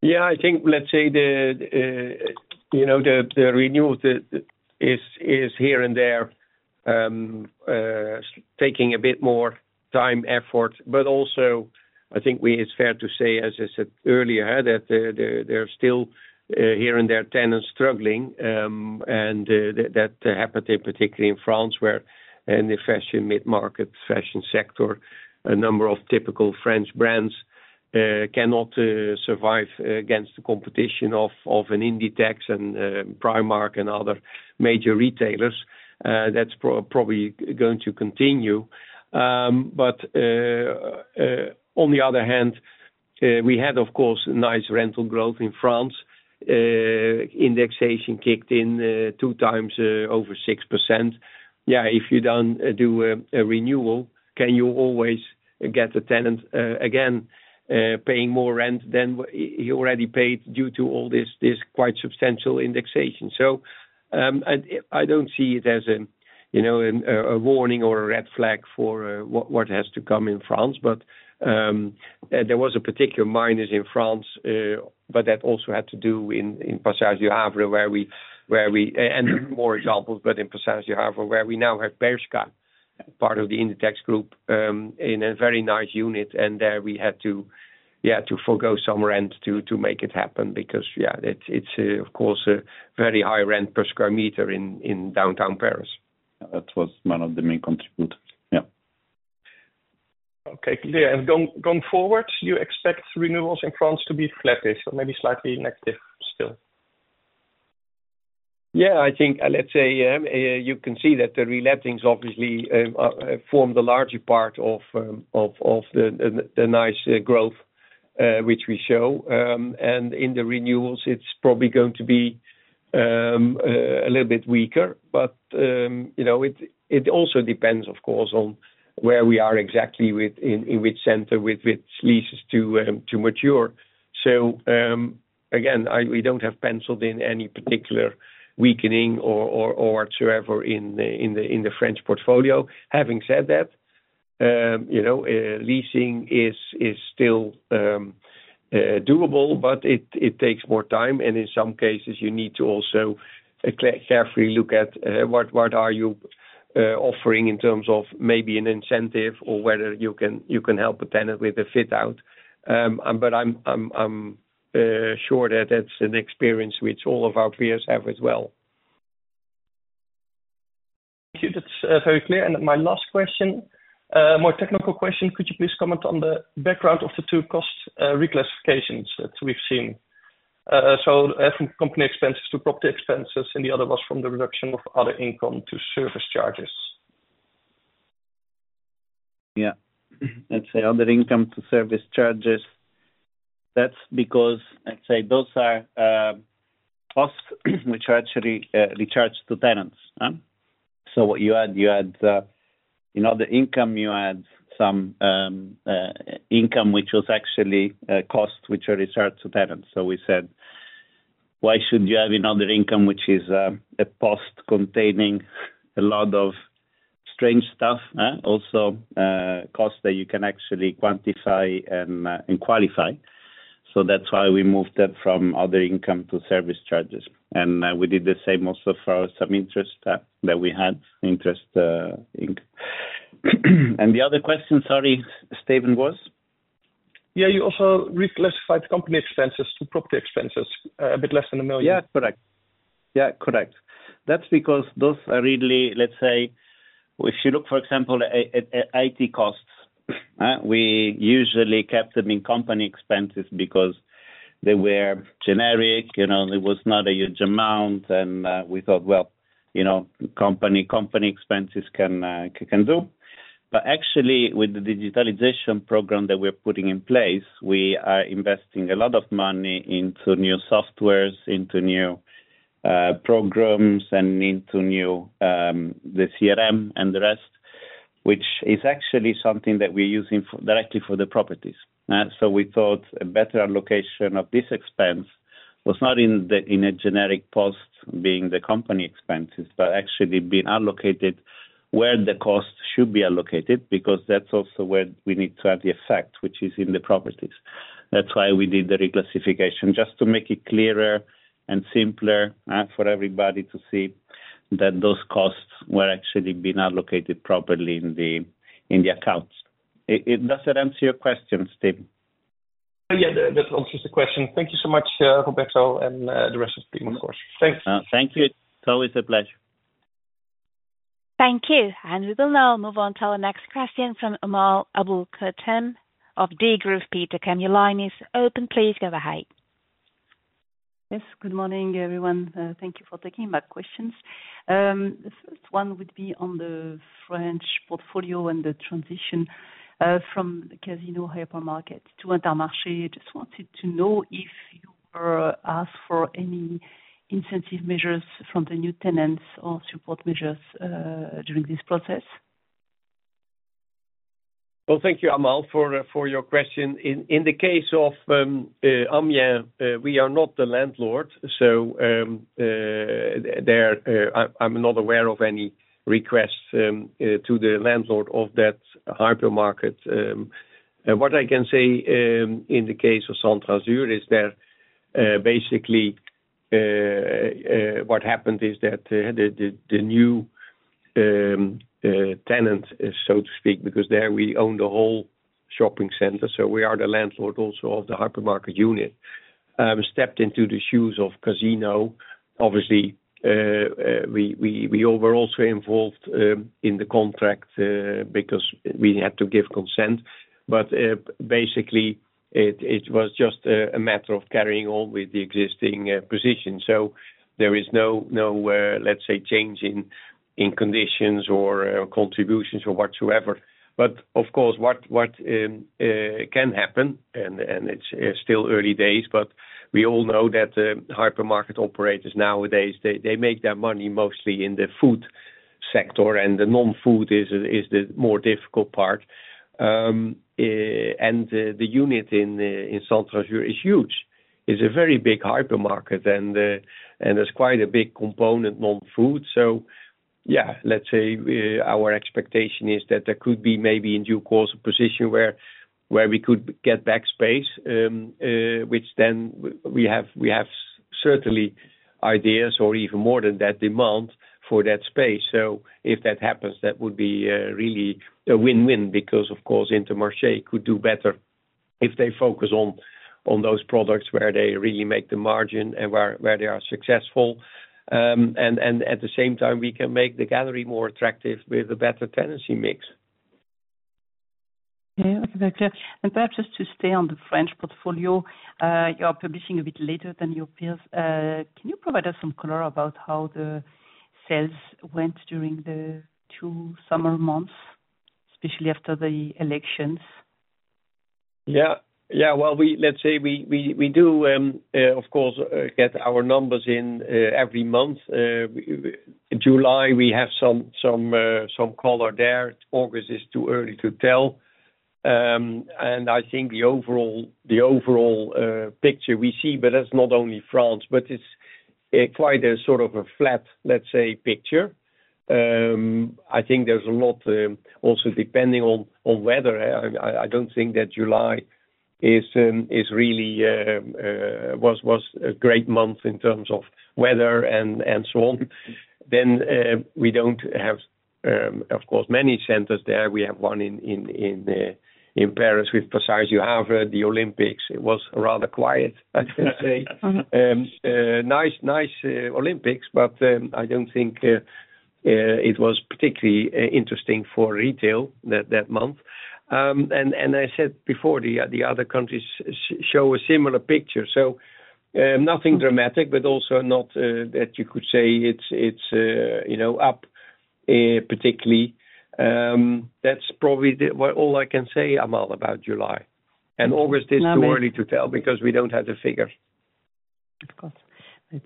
Yeah, I think, let's say, you know, the renewal is here and there taking a bit more time, effort. But also, I think it's fair to say, as I said earlier, that there are still here and there tenants struggling. And that happened particularly in France, where in the fashion mid-market, fashion sector, a number of typical French brands cannot survive against the competition of an Inditex and Primark and other major retailers. That's probably going to continue. But on the other hand, we had, of course, nice rental growth in France. Indexation kicked in two times over 6%. Yeah, if you don't do a renewal, can you always get a tenant again paying more rent than he already paid due to all this, this quite substantial indexation? So, and I don't see it as a you know a warning or a red flag for what has to come in France. But, there was a particular minus in France, but that also had to do in Passage du Havre, where we... And more examples, but in Passage du Havre, where we now have Bershka, part of the Inditex Group, in a very nice unit, and there we had to to forgo some rent to make it happen. Because, yeah, it's of course a very high rent per square meter in downtown Paris. That was one of the main contributors. Yeah. Okay, clear. Going forward, you expect renewals in France to be flattish or maybe slightly negative still? Yeah, I think, let's say, you can see that the relettings obviously form the larger part of the nice growth which we show. And in the renewals, it's probably going to be a little bit weaker. But you know, it also depends, of course, on where we are exactly with in which center with which leases to mature. So, again, we don't have penciled in any particular weakening or whatsoever in the French portfolio. Having said that, you know, leasing is still doable, but it takes more time, and in some cases you need to also carefully look at what are you offering in terms of maybe an incentive or whether you can help a tenant with a fit out. But I'm sure that it's an experience which all of our peers have as well. Thank you. That's very clear. And my last question, more technical question: could you please comment on the background of the two cost reclassifications that we've seen? So, from company expenses to property expenses, and the other was from the reduction of other income to service charges. Yeah. Let's say other income to service charges, that's because, let's say, those are costs which are actually recharged to tenants, huh? So what you had, you had in other income, you had some income, which was actually costs which are recharged to tenants. So we said, "Why should you have another income, which is a cost containing a lot of strange stuff, huh? Also costs that you can actually quantify and qualify." So that's why we moved that from other income to service charges. And we did the same also for some interest that we had, interest income. And the other question, sorry, Steven, was? Yeah, you also reclassified company expenses to property expenses, a bit less than 1 million. Yeah, correct. Yeah, correct. That's because those are really, let's say, if you look, for example, at IT costs, we usually kept them in company expenses because they were generic, you know, there was not a huge amount. And we thought, well, you know, company expenses can do. But actually, with the digitalization program that we're putting in place, we are investing a lot of money into new softwares, into new programs, and into the CRM and the rest, which is actually something that we're using directly for the properties, huh? So we thought a better allocation of this expense was not in a generic post, being the company expenses, but actually being allocated where the cost should be allocated, because that's also where we need to have the effect, which is in the properties. That's why we did the reclassification, just to make it clearer and simpler, for everybody to see that those costs were actually being allocated properly in the accounts. Does that answer your question, Steven?... Oh, yeah, that answers the question. Thank you so much, Roberto, and the rest of the team, of course. Thanks. Thank you. It's always a pleasure. Thank you, and we will now move on to our next question from Amal Aboul-Kassem of D. E. Shaw. Amal, your line is open. Please go ahead. Yes, good morning, everyone. Thank you for taking my questions. The first one would be on the French portfolio and the transition from the Casino hypermarket to Intermarché. Just wanted to know if you were asked for any incentive measures from the new tenants or support measures during this process? Thank you, Amal, for your question. In the case of Amiens, we are not the landlord, so there, I, I'm not aware of any requests to the landlord of that hypermarket. What I can say, in the case of Centr'Azur is that, basically, what happened is that, the new tenant, so to speak, because there we own the whole shopping center, so we are the landlord also of the hypermarket unit, stepped into the shoes of Casino. Obviously, we all were also involved in the contract, because we had to give consent. But, basically, it was just a matter of carrying on with the existing position. So there is no, let's say, change in conditions or contributions or whatsoever. But, of course, what can happen, and it's still early days, but we all know that hypermarket operators nowadays, they make their money mostly in the food sector, and the non-food is the more difficult part. And the unit in Centr'Azur is huge. It's a very big hypermarket, and there's quite a big component non-food, so yeah, let's say, our expectation is that there could be maybe in due course, a position where we could get back space. Which then we have certainly ideas or even more than that, demand for that space. So if that happens, that would be really a win-win because, of course, Intermarché could do better if they focus on those products where they really make the margin and where they are successful. And at the same time, we can make the gallery more attractive with a better tenancy mix. Yeah, okay. Thank you. And perhaps just to stay on the French portfolio, you are publishing a bit later than your peers. Can you provide us some color about how the sales went during the two summer months, especially after the elections? Yeah. Yeah, well, let's say we do, of course, get our numbers in every month. July, we have some color there. August is too early to tell. And I think the overall picture we see, but that's not only France, but it's quite a sort of a flat, let's say, picture. I think there's a lot also depending on weather. I don't think that July was a great month in terms of weather and so on. Then, we don't have, of course, many centers there. We have one in Paris with Passage du Havre the Olympics. It was rather quiet, I should say. Mm-hmm. Nice Olympics, but I don't think it was particularly interesting for retail that month. I said before, the other countries show a similar picture, so nothing dramatic, but also not that you could say it's you know up particularly. That's probably all I can say, Amal, about July. And August is- Love it... too early to tell because we don't have the figures. Of course.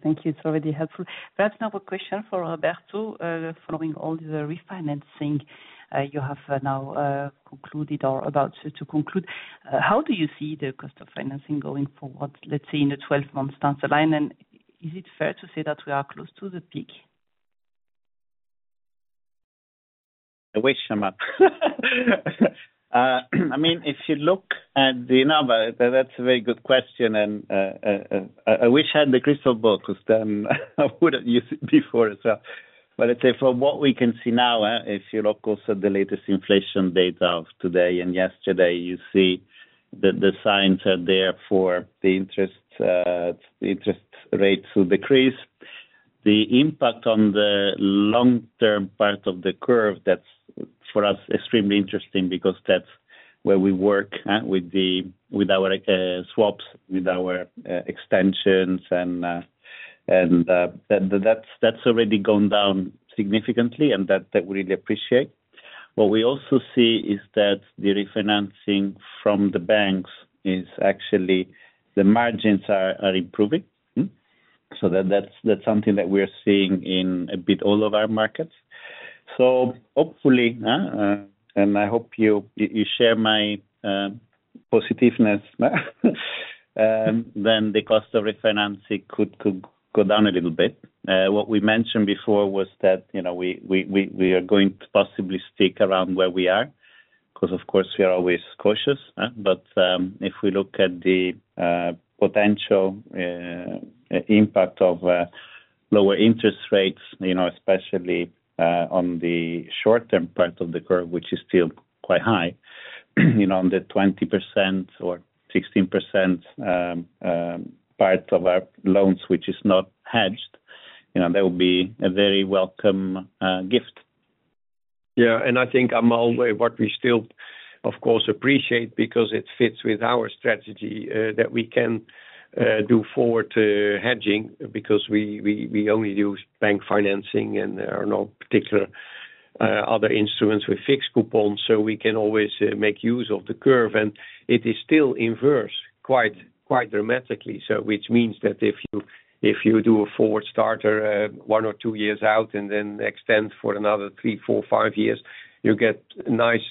Thank you, it's already helpful. Perhaps now a question for Roberto. Following all the refinancing, you have now concluded or about to conclude, how do you see the cost of financing going forward, let's say in the twelve-month down the line? And is it fair to say that we are close to the peak? I wish, Amal. I mean, if you look at the number, that's a very good question, and I wish I had a crystal ball, because then I would've used it before as well. But let's say from what we can see now, if you look also at the latest inflation data of today and yesterday, you see the signs are there for the interest rates to decrease. The impact on the long-term part of the curve, that's for us extremely interesting because that's where we work with our swaps, with our extensions, and that's already gone down significantly, and that we really appreciate. What we also see is that the refinancing from the banks is actually... The margins are improving. Mm-hmm. So that's something that we're seeing in all of our markets. So hopefully, and I hope you share my positiveness, then the cost of refinancing could go down a little bit. What we mentioned before was that, you know, we are going to possibly stick around where we are, 'cause, of course, we are always cautious, but, if we look at the potential impact of lower interest rates, you know, especially, on the short-term part of the curve, which is still quite high. You know, on the 20% or 16% part of our loans, which is not hedged, you know, that will be a very welcome gift. Yeah, and I think, Amal, what we still of course appreciate, because it fits with our strategy, that we can do forward hedging, because we only use bank financing, and there are no particular other instruments with fixed coupons. So we can always make use of the curve, and it is still inverse, quite dramatically. So which means that if you do a forward starter, one or two years out, and then extend for another three, four, five years, you get nice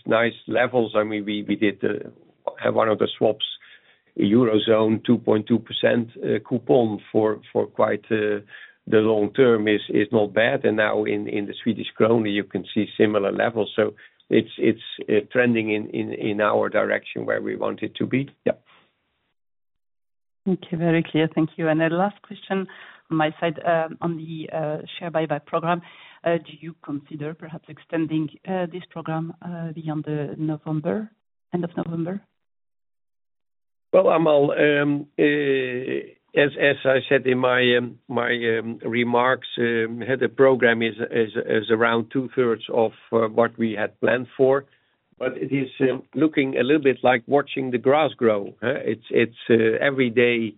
levels. I mean, we did have one of the swaps, Eurozone 2.2% coupon for quite the long term is not bad. And now in the Swedish krona, you can see similar levels. So it's trending in our direction where we want it to be. Yeah. Okay. Very clear. Thank you. And the last question on my side, on the share buyback program. Do you consider perhaps extending this program beyond the end of November? Well, Amal, as I said in my remarks, the program is around two-thirds of what we had planned for, but it is looking a little bit like watching the grass grow, huh? It's every day.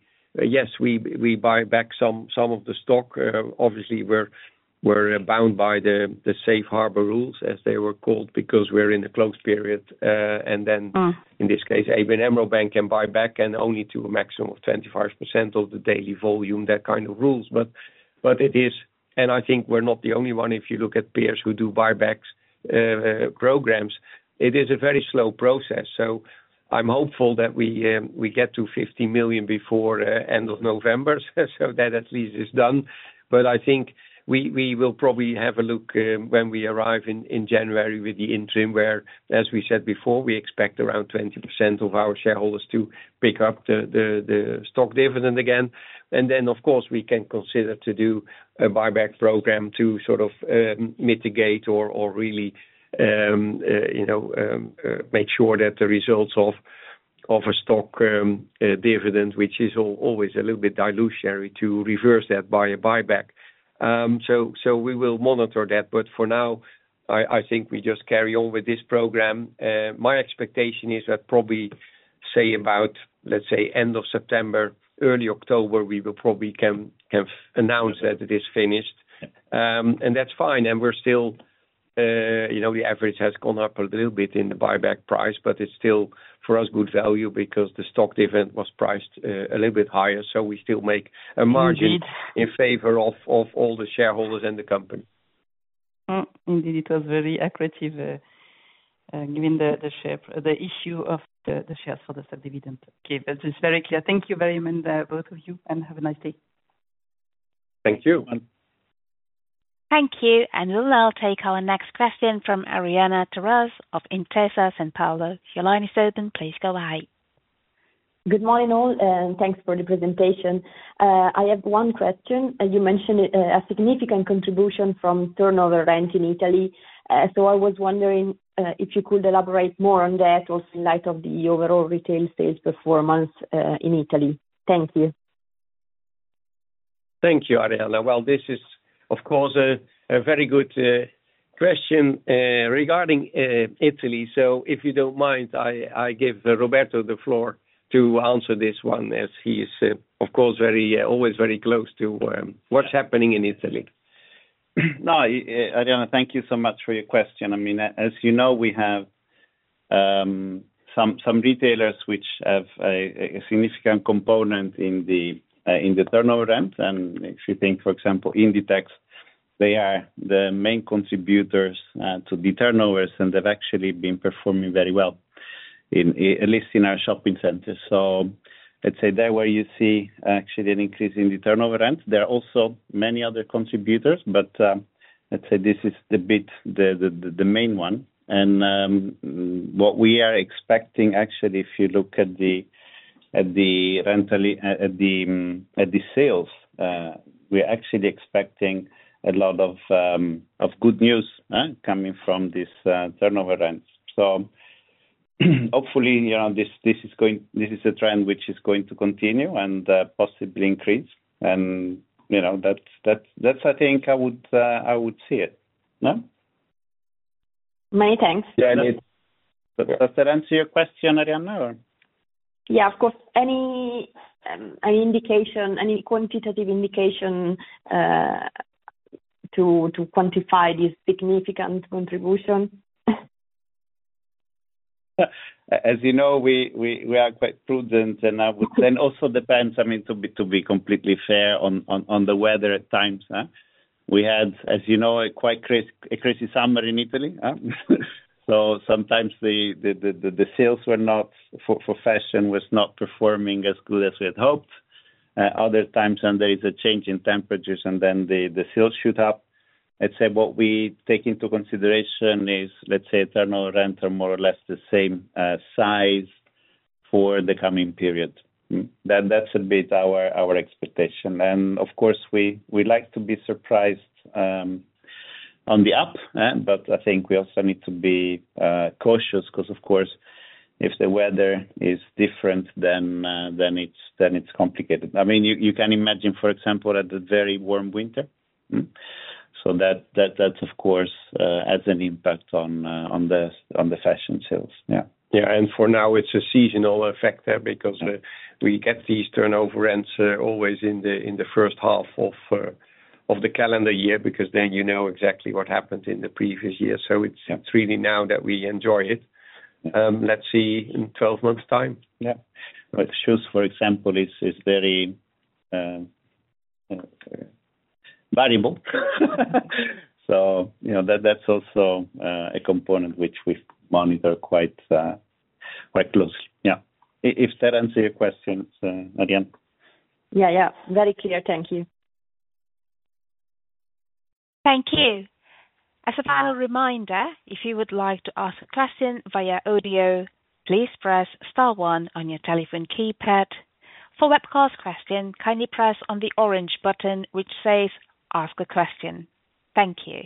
Yes, we buy back some of the stock. Obviously, we're bound by the safe harbor rules, as they were called, because we're in a closed period. And then- Mm. In this case, ABN AMRO Bank can buy back, and only to a maximum of 25% of the daily volume, that kind of rules. But it is. And I think we're not the only one, if you look at peers who do buybacks, programs, it is a very slow process. So I'm hopeful that we get to 50 million before end of November, so that at least is done. But I think we will probably have a look, when we arrive in January with the interim, where, as we said before, we expect around 20% of our shareholders to pick up the stock dividend again. And then, of course, we can consider to do a buyback program to sort of, mitigate or really, you know, make sure that the results of a stock dividend, which is always a little bit dilutionary, to reverse that by a buyback. So we will monitor that, but for now, I think we just carry on with this program. My expectation is that probably, say, about, let's say, end of September, early October, we will probably come, can announce that it is finished. And that's fine, and we're still, you know, the average has gone up a little bit in the buyback price, but it's still, for us, good value, because the stock dividend was priced a little bit higher. So we still make a margin- Indeed. in favor of all the shareholders in the company. Indeed, it was very accretive, given the share issue of the shares for the said dividend. Okay, that is very clear. Thank you very much, both of you, and have a nice day. Thank you. Thank you. Thank you. And now I'll take our next question from Arianna Terazzi of Intesa Sanpaolo. Your line is open. Please go ahead. Good morning, all, and thanks for the presentation. I have one question. You mentioned a significant contribution from turnover rent in Italy, so I was wondering if you could elaborate more on that also in light of the overall retail sales performance in Italy. Thank you. Thank you, Arianna. Well, this is, of course, a very good question regarding Italy. So if you don't mind, I give Roberto the floor to answer this one, as he is, of course, very always very close to what's happening in Italy. No, Arianna, thank you so much for your question. I mean, as you know, we have some retailers which have a significant component in the turnover rent. And if you think, for example, Inditex, they are the main contributors to the turnovers, and they've actually been performing very well at least in our shopping centers. So I'd say there where you see actually an increase in the turnover rent. There are also many other contributors, but let's say this is the main one. And what we are expecting, actually, if you look at the sales, we're actually expecting a lot of good news coming from this turnover rents. So, hopefully, you know, this is going... This is a trend which is going to continue and, possibly increase. And, you know, that's I think I would, I would see it. No? Many thanks. Yeah, indeed. Does that answer your question, Arianna? Yeah, of course. Any indication, any quantitative indication, to quantify this significant contribution? As you know, we are quite prudent, and also depends, I mean, to be completely fair, on the weather at times, huh? We had, as you know, a quite crazy, a crazy summer in Italy, huh? So sometimes the sales were not, for fashion, was not performing as good as we had hoped. Other times when there is a change in temperatures, and then the sales shoot up. I'd say what we take into consideration is, let's say, turnover rent are more or less the same size for the coming period. That, that's a bit our expectation. Of course, we like to be surprised on the up, but I think we also need to be cautious, 'cause of course, if the weather is different, then it's complicated. I mean, you can imagine, for example, at the very warm winter. So that of course has an impact on the fashion sales. Yeah. Yeah, and for now, it's a seasonal effect there, because. Yeah we get these turnover rents always in the first half of the calendar year, because then you know exactly what happened in the previous year. Yeah. So it's really now that we enjoy it. Let's see in twelve months time. Yeah. But shoes, for example, is very variable. So, you know, that's also a component which we monitor quite closely. Yeah. If that answers your questions, again. Yeah, yeah. Very clear. Thank you. Thank you. As a final reminder, if you would like to ask a question via audio, please press star one on your telephone keypad. For webcast question, kindly press on the orange button, which says, "Ask a Question." Thank you.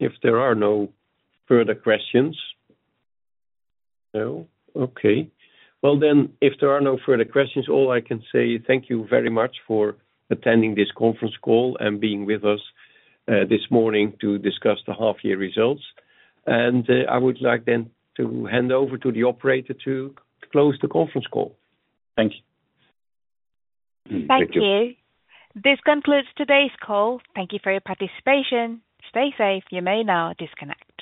If there are no further questions... No? Okay. Well, then, if there are no further questions, all I can say, thank you very much for attending this conference call and being with us this morning to discuss the half year results. And I would like then to hand over to the operator to close the conference call. Thank you. Thank you. Thank you. This concludes today's call. Thank you for your participation. Stay safe. You may now disconnect.